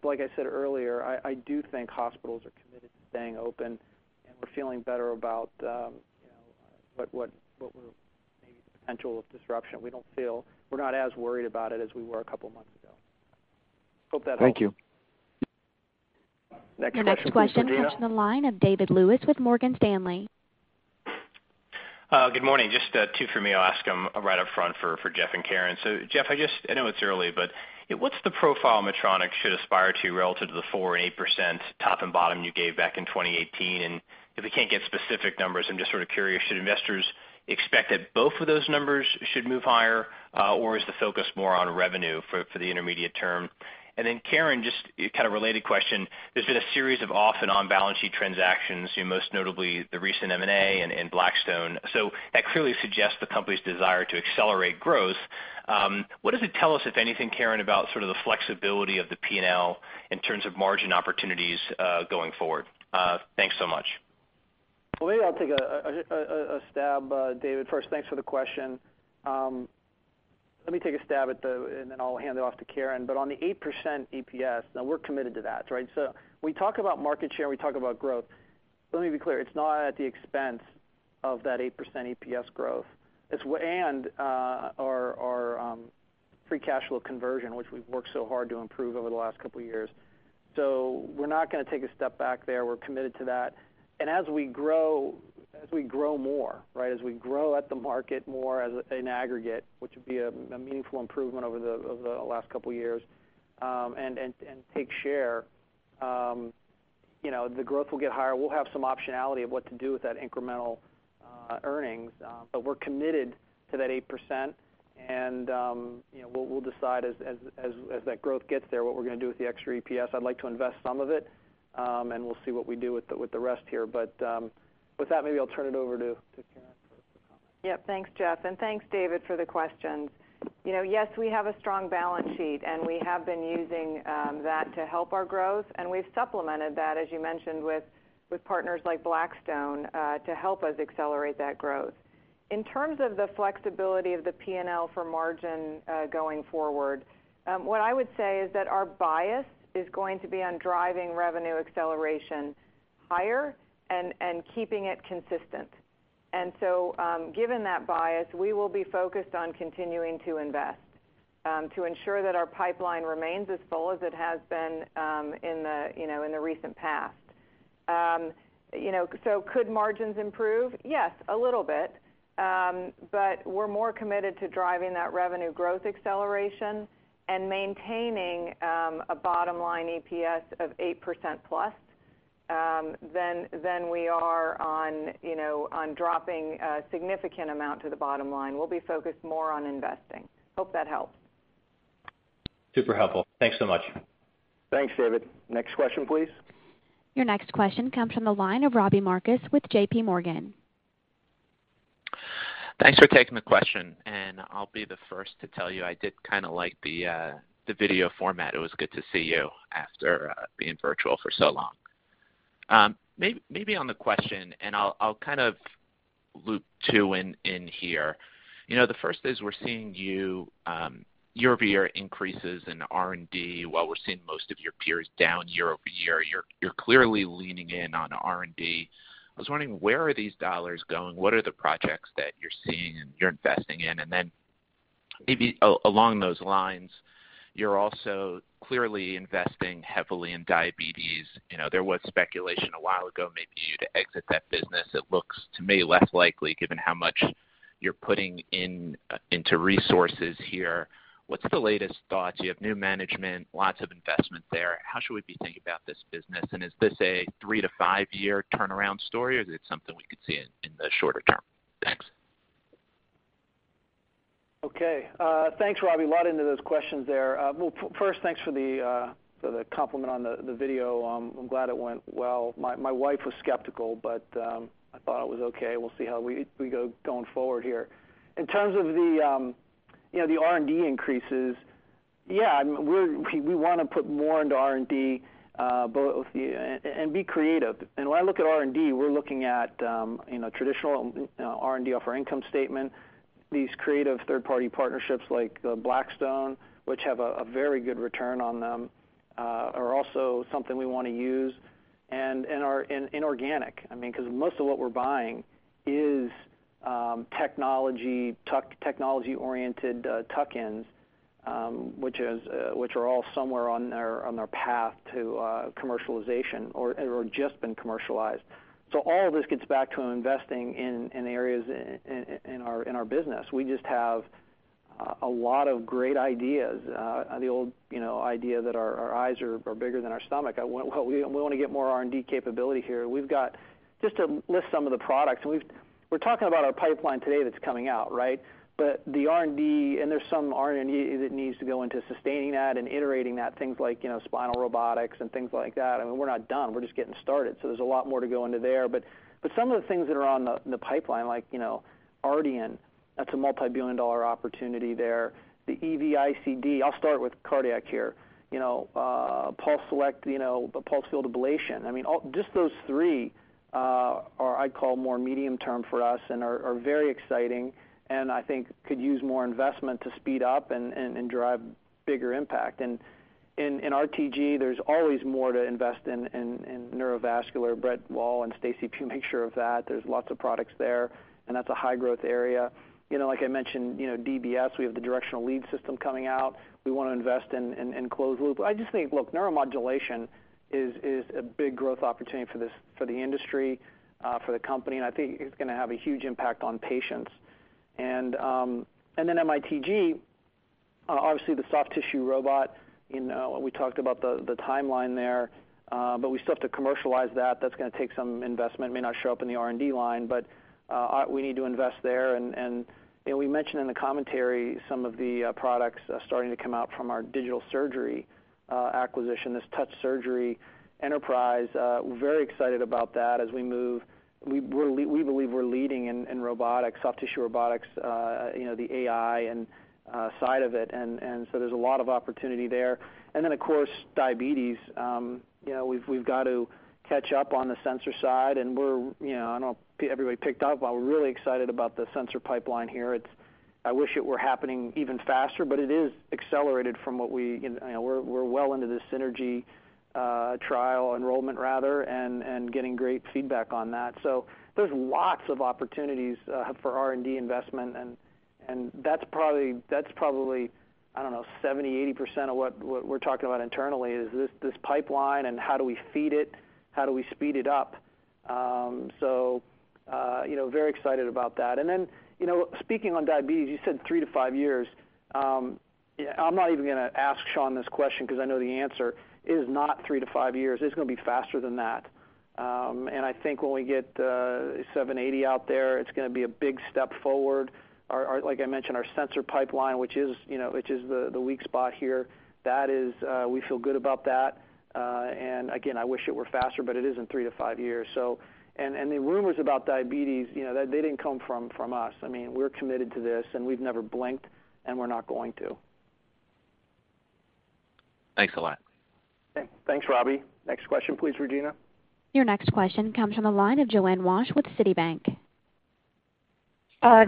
Like I said earlier, I do think hospitals are committed to staying open, and we're feeling better about what were maybe the potential of disruption. We're not as worried about it as we were a couple of months ago. Hope that helps. Thank you. Next question, please, operator. The next question comes from the line of David Lewis with Morgan Stanley. Good morning. Just two for me. I'll ask them right up front for Geoff and Karen. Geoff, I know it's early, but what's the profile Medtronic should aspire to relative to the 4% and 8% top and bottom you gave back in 2018? If we can't get specific numbers, I'm just sort of curious, should investors expect that both of those numbers should move higher, or is the focus more on revenue for the intermediate term? Karen, just kind of related question. There's been a series of off and on-balance sheet transactions, most notably the recent M&A and Blackstone. That clearly suggests the company's desire to accelerate growth. What does it tell us, if anything, Karen, about sort of the flexibility of the P&L in terms of margin opportunities going forward? Thanks so much. Well, maybe I'll take a stab, David. First, thanks for the question. Let me take a stab at it, and then I'll hand it off to Karen. On the 8% EPS, now we're committed to that. We talk about market share, we talk about growth. Let me be clear, it's not at the expense of that 8% EPS growth, and our free cash flow conversion, which we've worked so hard to improve over the last couple of years. We're not going to take a step back there. We're committed to that. As we grow more, as we grow at the market more as an aggregate, which would be a meaningful improvement over the last couple years, and take share, the growth will get higher. We'll have some optionality of what to do with that incremental earnings. We're committed to that 8%, and we'll decide as that growth gets there, what we're going to do with the extra EPS. I'd like to invest some of it, and we'll see what we do with the rest here. With that, maybe I'll turn it over to Karen for the comments. Yep. Thanks, Geoff, thanks, David, for the questions. We have a strong balance sheet, and we have been using that to help our growth, and we've supplemented that, as you mentioned, with partners like Blackstone to help us accelerate that growth. In terms of the flexibility of the P&L for margin going forward, what I would say is that our bias is going to be on driving revenue acceleration higher and keeping it consistent. Given that bias, we will be focused on continuing to invest to ensure that our pipeline remains as full as it has been in the recent past. Could margins improve? Yes, a little bit. We're more committed to driving that revenue growth acceleration and maintaining a bottom-line EPS of 8%+, than we are on dropping a significant amount to the bottom line. We'll be focused more on investing. Hope that helped. Super helpful. Thanks so much. Thanks, David. Next question, please. Your next question comes from the line of Robbie Marcus with J.PMorgan. Thanks for taking the question. I'll be the first to tell you, I did kind of like the video format. It was good to see you after being virtual for so long. Maybe on the question. I'll kind of loop two in here. The first is we're seeing you year-over-year increases in R&D while we're seeing most of your peers down year-over-year. You're clearly leaning in on R&D. I was wondering, where are these dollars going? What are the projects that you're seeing and you're investing in? Maybe along those lines, you're also clearly investing heavily in diabetes. There was speculation a while ago maybe you'd exit that business. It looks to me less likely given how much you're putting into resources here. What's the latest thoughts? You have new management, lots of investment there. How should we be thinking about this business? Is this a three- to five-year turnaround story, or is it something we could see in the shorter term? Thanks. Okay. Thanks, Robbie. A lot into those questions there. First, thanks for the compliment on the video. I'm glad it went well. My wife was skeptical, but I thought it was okay. We'll see how we go going forward here. In terms of the R&D increases, yeah, we want to put more into R&D, and be creative. When I look at R&D, we're looking at traditional R&D off our income statement. These creative third-party partnerships like Blackstone, which have a very good return on them, are also something we want to use and are inorganic. Most of what we're buying is technology-oriented tuck-ins which are all somewhere on their path to commercialization or have just been commercialized. All of this gets back to investing in areas in our business. We just have a lot of great ideas. The old idea that our eyes are bigger than our stomach. We want to get more R&D capability here. Just to list some of the products, we're talking about our pipeline today that's coming out. The R&D, and there's some R&D that needs to go into sustaining that and iterating that, things like spinal robotics and things like that. I mean, we're not done. We're just getting started. There's a lot more to go into there. Some of the things that are on the pipeline, like Ardian, that's a multi-billion dollar opportunity there. The EV-ICD, I'll start with cardiac here. PulseSelect, the pulse field ablation. I mean, just those three are, I'd call more medium-term for us and are very exciting, and I think could use more investment to speed up and drive bigger impact. In RTG, there's always more to invest in neurovascular. Brett Wall and Stacey Pugh make sure of that. There's lots of products there, and that's a high-growth area. Like I mentioned, DBS, we have the directional lead system coming out. We want to invest in closed loop. I just think, look, neuromodulation is a big growth opportunity for the industry, for the company, and I think it's going to have a huge impact on patients. MITG, obviously the soft tissue robot, we talked about the timeline there, but we still have to commercialize that. That's going to take some investment. It may not show up in the R&D line, but we need to invest there. We mentioned in the commentary some of the products starting to come out from our Digital Surgery acquisition, this Touch Surgery Enterprise. We're very excited about that as we move. We believe we're leading in robotics, soft tissue robotics, the AI side of it, and so there's a lot of opportunity there. Of course, diabetes. We've got to catch up on the sensor side, and I don't know if everybody picked up, but we're really excited about the sensor pipeline here. I wish it were happening even faster, but it is accelerated from what we're well into the Synergy trial enrollment, rather, and getting great feedback on that. There's lots of opportunities for R&D investment, and that's probably, I don't know, 70%-80% of what we're talking about internally is this pipeline and how do we feed it, how do we speed it up. Very excited about that. Speaking on diabetes, you said three to five years. I'm not even going to ask Sean this question because I know the answer. It is not 3-5 years. It's going to be faster than that. I think when we get 780 out there, it's going to be a big step forward. Like I mentioned, our sensor pipeline, which is the weak spot here, we feel good about that. Again, I wish it were faster, but it is in 3-5 years. The rumors about diabetes, they didn't come from us. We're committed to this and we've never blinked, and we're not going to. Thanks a lot. Okay. Thanks, Robbie. Next question, please, Regina. Your next question comes from the line of Joanne Wuensch with Citi.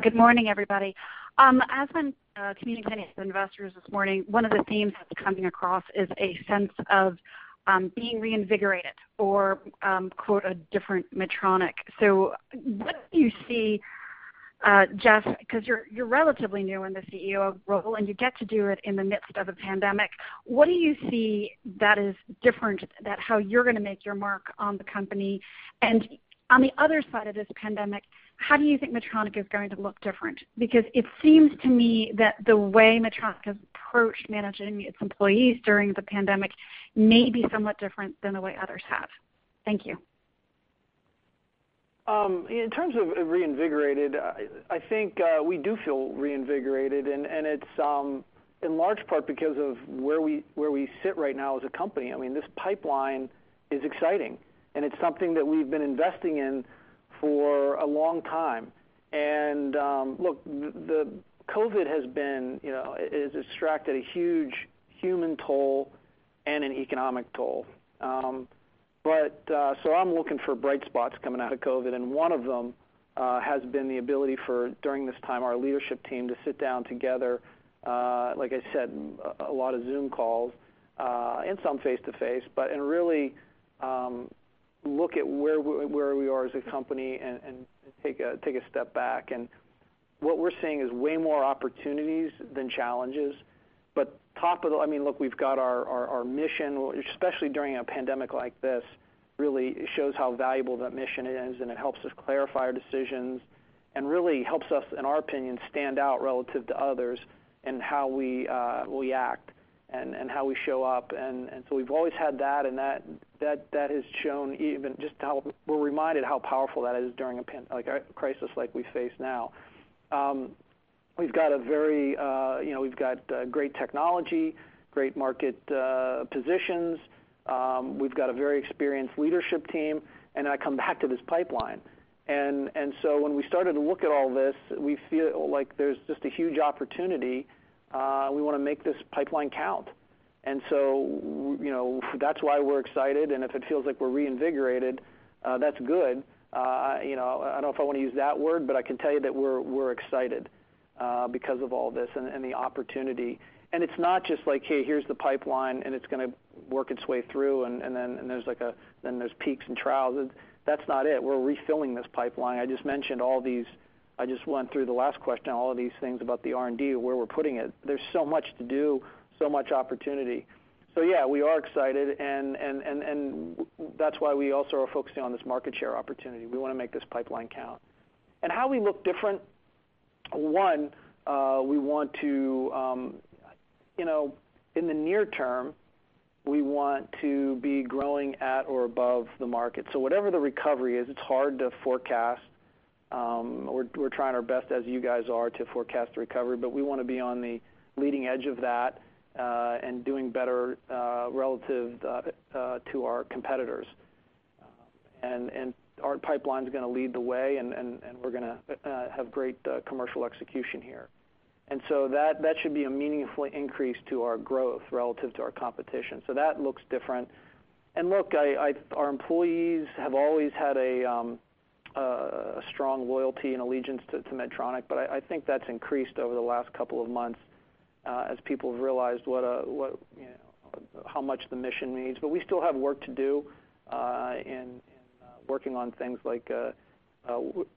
Good morning, everybody. As been communicated to investors this morning, one of the themes that's coming across is a sense of being reinvigorated or, quote, "A different Medtronic." What do you see, Geoff, because you're relatively new in the CEO role, and you get to do it in the midst of a pandemic, what do you see that is different about how you're going to make your mark on the company? On the other side of this pandemic, how do you think Medtronic is going to look different? It seems to me that the way Medtronic has approached managing its employees during the pandemic may be somewhat different than the way others have. Thank you. In terms of reinvigorated, I think we do feel reinvigorated, and it's in large part because of where we sit right now as a company. This pipeline is exciting, and it's something that we've been investing in for a long time. Look, the COVID has extracted a huge human toll and an economic toll. I'm looking for bright spots coming out of COVID, and one of them has been the ability for, during this time, our leadership team to sit down together, like I said, a lot of Zoom calls, and some face-to-face, really look at where we are as a company and take a step back. What we're seeing is way more opportunities than challenges. We've got our mission, especially during a pandemic like this, really, it shows how valuable that mission is, and it helps us clarify our decisions and really helps us, in our opinion, stand out relative to others in how we act and how we show up. We've always had that, and that has shown even just how we're reminded how powerful that is during a crisis like we face now. We've got great technology, great market positions. We've got a very experienced leadership team, and I come back to this pipeline. When we started to look at all this, we feel like there's just a huge opportunity. We want to make this pipeline count. That's why we're excited, and if it feels like we're reinvigorated, that's good. I don't know if I want to use that word, but I can tell you that we're excited because of all this and the opportunity. It's not just like, hey, here's the pipeline, and it's going to work its way through, and then there's peaks and troughs. That's not it. We're refilling this pipeline. I just went through the last question, all of these things about the R&D, where we're putting it. There's so much to do, so much opportunity. Yeah, we are excited, and that's why we also are focusing on this market share opportunity. We want to make this pipeline count. How we look different, one, in the near term, we want to be growing at or above the market. Whatever the recovery is, it's hard to forecast. We're trying our best, as you guys are, to forecast the recovery, but we want to be on the leading edge of that and doing better relative to our competitors. Our pipeline's going to lead the way, and we're going to have great commercial execution here. That should be a meaningful increase to our growth relative to our competition. That looks different. Look, our employees have always had a strong loyalty and allegiance to Medtronic, but I think that's increased over the last couple of months as people have realized how much the mission means. We still have work to do in working on things like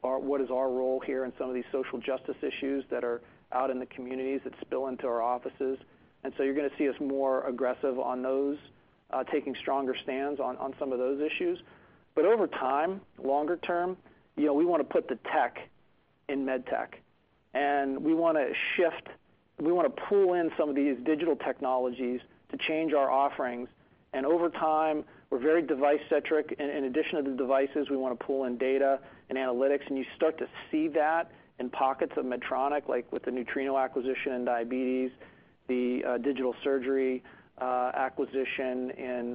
what is our role here in some of these social justice issues that are out in the communities that spill into our offices. You're going to see us more aggressive on those, taking stronger stands on some of those issues. Over time, longer term, we want to put the tech in med tech, and we want to shift, we want to pull in some of these digital technologies to change our offerings. Over time, we're very device-centric. In addition to the devices, we want to pull in data and analytics, and you start to see that in pockets of Medtronic, like with the Neutrino acquisition in diabetes, the Digital Surgery acquisition in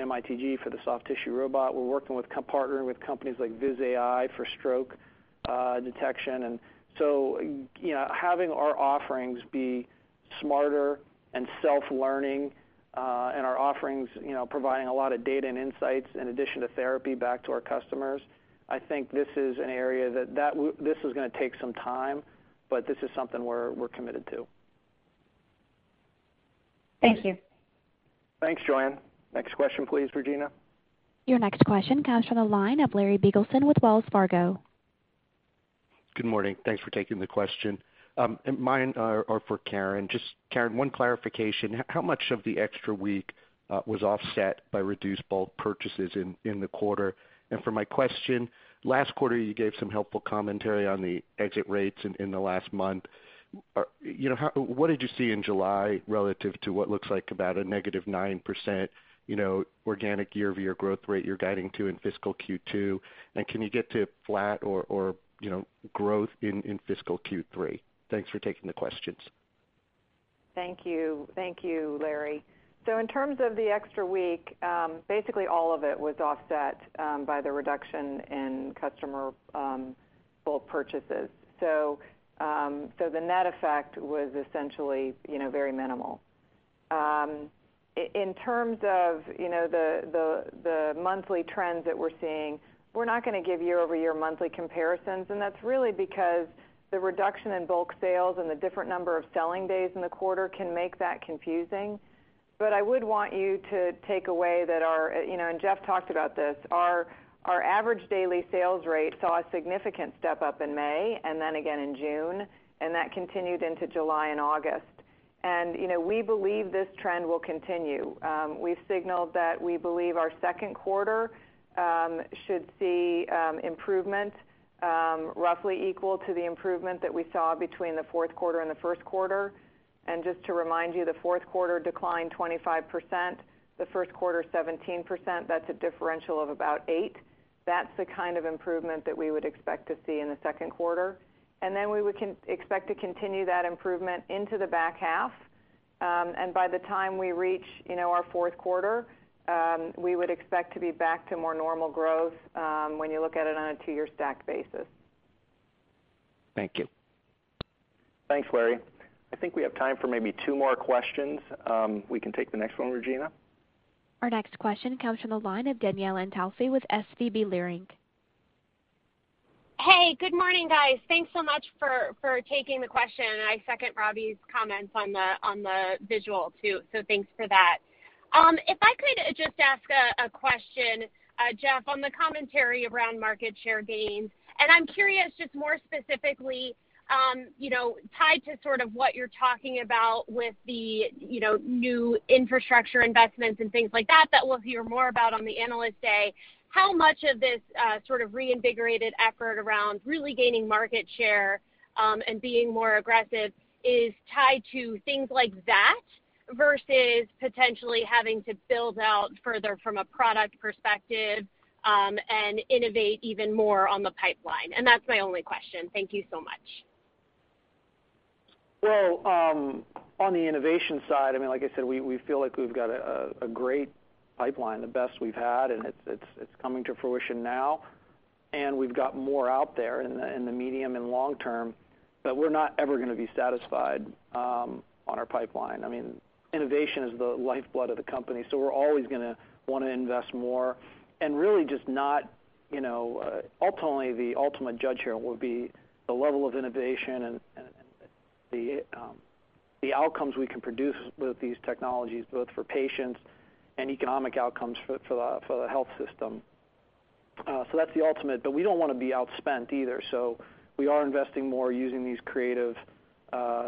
MITG for the soft tissue robot. We're partnering with companies like Viz.ai for stroke detection. Having our offerings be smarter and self-learning, and our offerings providing a lot of data and insights in addition to therapy back to our customers. I think this is an area that this is going to take some time. This is something we're committed to. Thank you. Thanks, Joanne. Next question, please, Regina. Your next question comes from the line of Larry Biegelsen with Wells Fargo. Good morning. Thanks for taking the question. Mine are for Karen. Just, Karen, one clarification. How much of the extra week was offset by reduced bulk purchases in the quarter? For my question, last quarter, you gave some helpful commentary on the exit rates in the last month. What did you see in July relative to what looks like about a negative nine% organic year-over-year growth rate you're guiding to in fiscal Q2? Can you get to flat or growth in fiscal Q3? Thanks for taking the questions. Thank you, Larry. In terms of the extra week, basically all of it was offset by the reduction in customer bulk purchases. The net effect was essentially very minimal. In terms of the monthly trends that we're seeing, we're not going to give year-over-year monthly comparisons, and that's really because the reduction in bulk sales and the different number of selling days in the quarter can make that confusing. I would want you to take away that our, and Geoff talked about this, our average daily sales rate saw a significant step-up in May, and then again in June, and that continued into July and August. We believe this trend will continue. We've signaled that we believe our second quarter should see improvement roughly equal to the improvement that we saw between the fourth quarter and the first quarter. Just to remind you, the fourth quarter declined 25%, the first quarter 17%. That's a differential of about eight. That's the kind of improvement that we would expect to see in the second quarter. We would expect to continue that improvement into the back half. By the time we reach our fourth quarter, we would expect to be back to more normal growth when you look at it on a two-year stacked basis. Thank you. Thanks, Larry. I think we have time for maybe two more questions. We can take the next one, Regina. Our next question comes from the line of Danielle Antalffy with SVB Leerink. Hey, good morning, guys. Thanks so much for taking the question. I second Robbie's comments on the visual, too, so thanks for that. If I could just ask a question, Geoff, on the commentary around market share gains, and I'm curious, just more specifically, tied to sort of what you're talking about with the new infrastructure investments and things like that we'll hear more about on the Analyst Day. How much of this sort of reinvigorated effort around really gaining market share and being more aggressive is tied to things like that versus potentially having to build out further from a product perspective and innovate even more on the pipeline? That's my only question. Thank you so much. Well, on the innovation side, like I said, we feel like we've got a great pipeline, the best we've had, and it's coming to fruition now, and we've got more out there in the medium and long term, but we're not ever going to be satisfied on our pipeline. Innovation is the lifeblood of the company, so we're always going to want to invest more and really ultimately, the ultimate judge here will be the level of innovation and the outcomes we can produce with these technologies, both for patients and economic outcomes for the health system. That's the ultimate, but we don't want to be outspent either. We are investing more using these creative,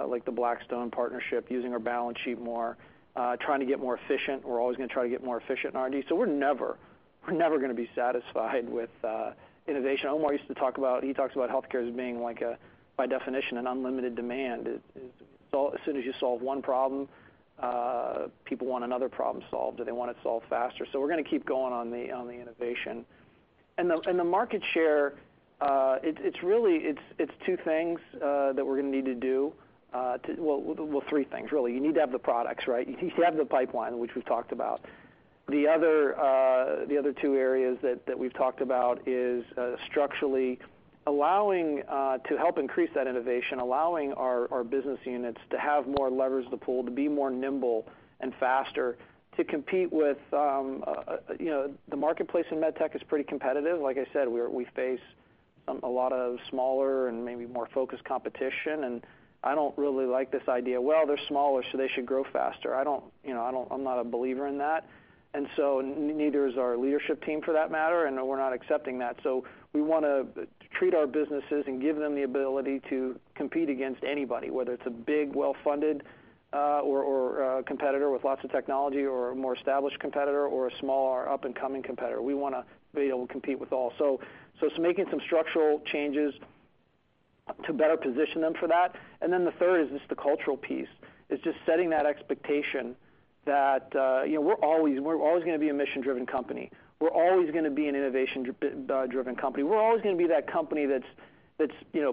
like the Blackstone partnership, using our balance sheet more, trying to get more efficient. We're always going to try to get more efficient in R&D. We're never going to be satisfied with innovation. Omar used to talk about, he talks about healthcare as being like a, by definition, an unlimited demand. As soon as you solve one problem, people want another problem solved or they want it solved faster. We're going to keep going on the innovation. The market share, it's two things that we're going to need to do. Well, three things, really. You need to have the products, right? You need to have the pipeline, which we've talked about. The other two areas that we've talked about is structurally allowing to help increase that innovation, allowing our business units to have more levers to pull, to be more nimble and faster to compete. The marketplace in med tech is pretty competitive. Like I said, we face a lot of smaller and maybe more focused competition, and I don't really like this idea, "Well, they're smaller, so they should grow faster." I'm not a believer in that. Neither is our leadership team for that matter, and we're not accepting that. We want to treat our businesses and give them the ability to compete against anybody, whether it's a big, well-funded or a competitor with lots of technology or a more established competitor or a smaller up-and-coming competitor. We want to be able to compete with all. It's making some structural changes to better position them for that. The third is just the cultural piece, is just setting that expectation that we're always going to be a mission-driven company. We're always going to be an innovation-driven company. We're always going to be that company that's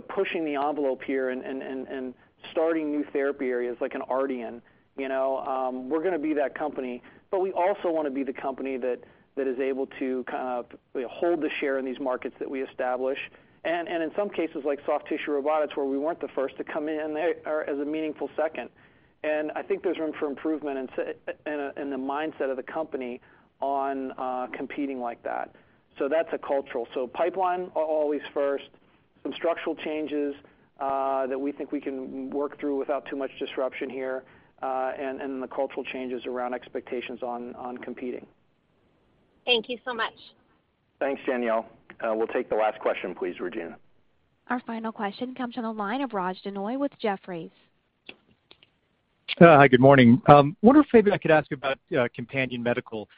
pushing the envelope here and starting new therapy areas like an Ardian. We're going to be that company, but we also want to be the company that is able to kind of hold the share in these markets that we establish. In some cases, like soft tissue robotics, where we weren't the first to come in as a meaningful second. I think there's room for improvement in the mindset of the company on competing like that. That's a cultural, pipeline, always first, some structural changes that we think we can work through without too much disruption here, and the cultural changes around expectations on competing. Thank you so much. Thanks, Danielle. We'll take the last question, please, Regina. Our final question comes from the line of Raj Denhoy with Jefferies. Hi, good morning. Wonder if maybe I could ask about Companion Medical?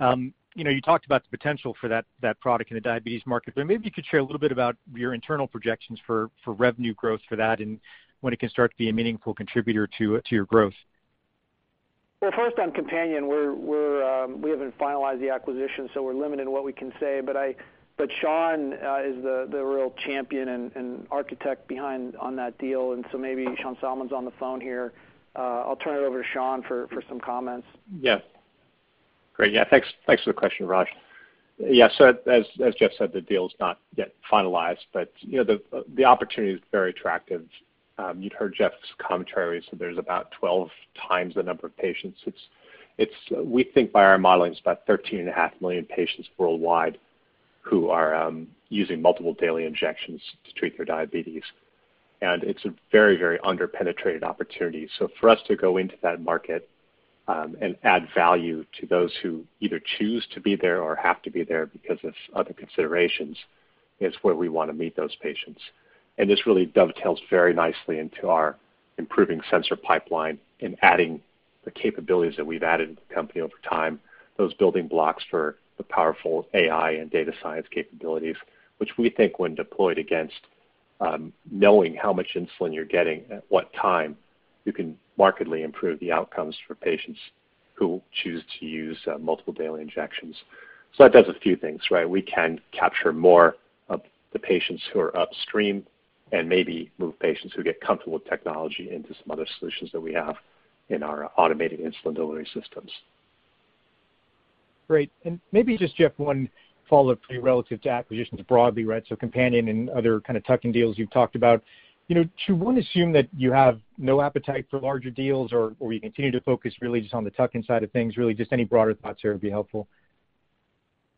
You talked about the potential for that product in the diabetes market, maybe you could share a little bit about your internal projections for revenue growth for that and when it can start to be a meaningful contributor to your growth? First on Companion, we haven't finalized the acquisition, so we're limited in what we can say. Sean is the real champion and architect behind on that deal. Maybe Sean Salmon's on the phone here. I'll turn it over to Sean for some comments. Yes. Great. Thanks for the question, Raj. As Geoff said, the deal's not yet finalized, but the opportunity is very attractive. You'd heard Geoff's commentary, there's about 12 times the number of patients. We think by our modeling, it's about 13.5 million patients worldwide who are using multiple daily injections to treat their diabetes. It's a very, very under-penetrated opportunity. For us to go into that market and add value to those who either choose to be there or have to be there because of other considerations, is where we want to meet those patients. This really dovetails very nicely into our improving sensor pipeline and adding the capabilities that we've added to the company over time, those building blocks for the powerful AI and data science capabilities, which we think when deployed against knowing how much insulin you're getting at what time, you can markedly improve the outcomes for patients who choose to use multiple daily injections. That does a few things, right? We can capture more of the patients who are upstream and maybe move patients who get comfortable with technology into some other solutions that we have in our automated insulin delivery systems. Great. maybe just, Geoff, one follow-up for you relative to acquisitions broadly, right? Companion and other kind of tuck-in deals you've talked about. Should one assume that you have no appetite for larger deals or you continue to focus really just on the tuck-in side of things, really, just any broader thoughts there would be helpful.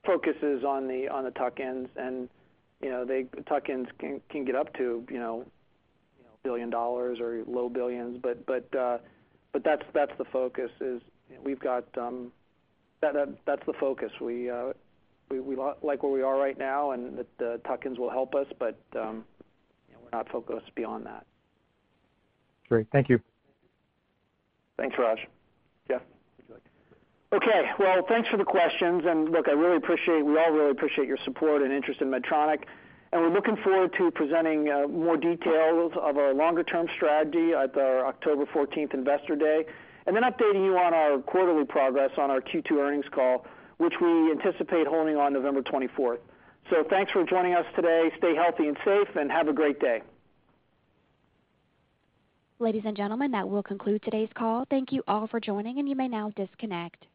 Focus is on the tuck-ins and the tuck-ins can get up to $1 billion or low billions, but that's the focus. We like where we are right now, and the tuck-ins will help us, but we're not focused beyond that. Great. Thank you. Thanks, Raj. Geoff, would you like to- Okay. Well, thanks for the questions. Look, we all really appreciate your support and interest in Medtronic. We're looking forward to presenting more details of our longer-term strategy at our October 14th Investor Day, and then updating you on our quarterly progress on our Q2 earnings call, which we anticipate holding on November 24th. Thanks for joining us today. Stay healthy and safe, and have a great day. Ladies and gentlemen, that will conclude today's call. Thank you all for joining, and you may now disconnect.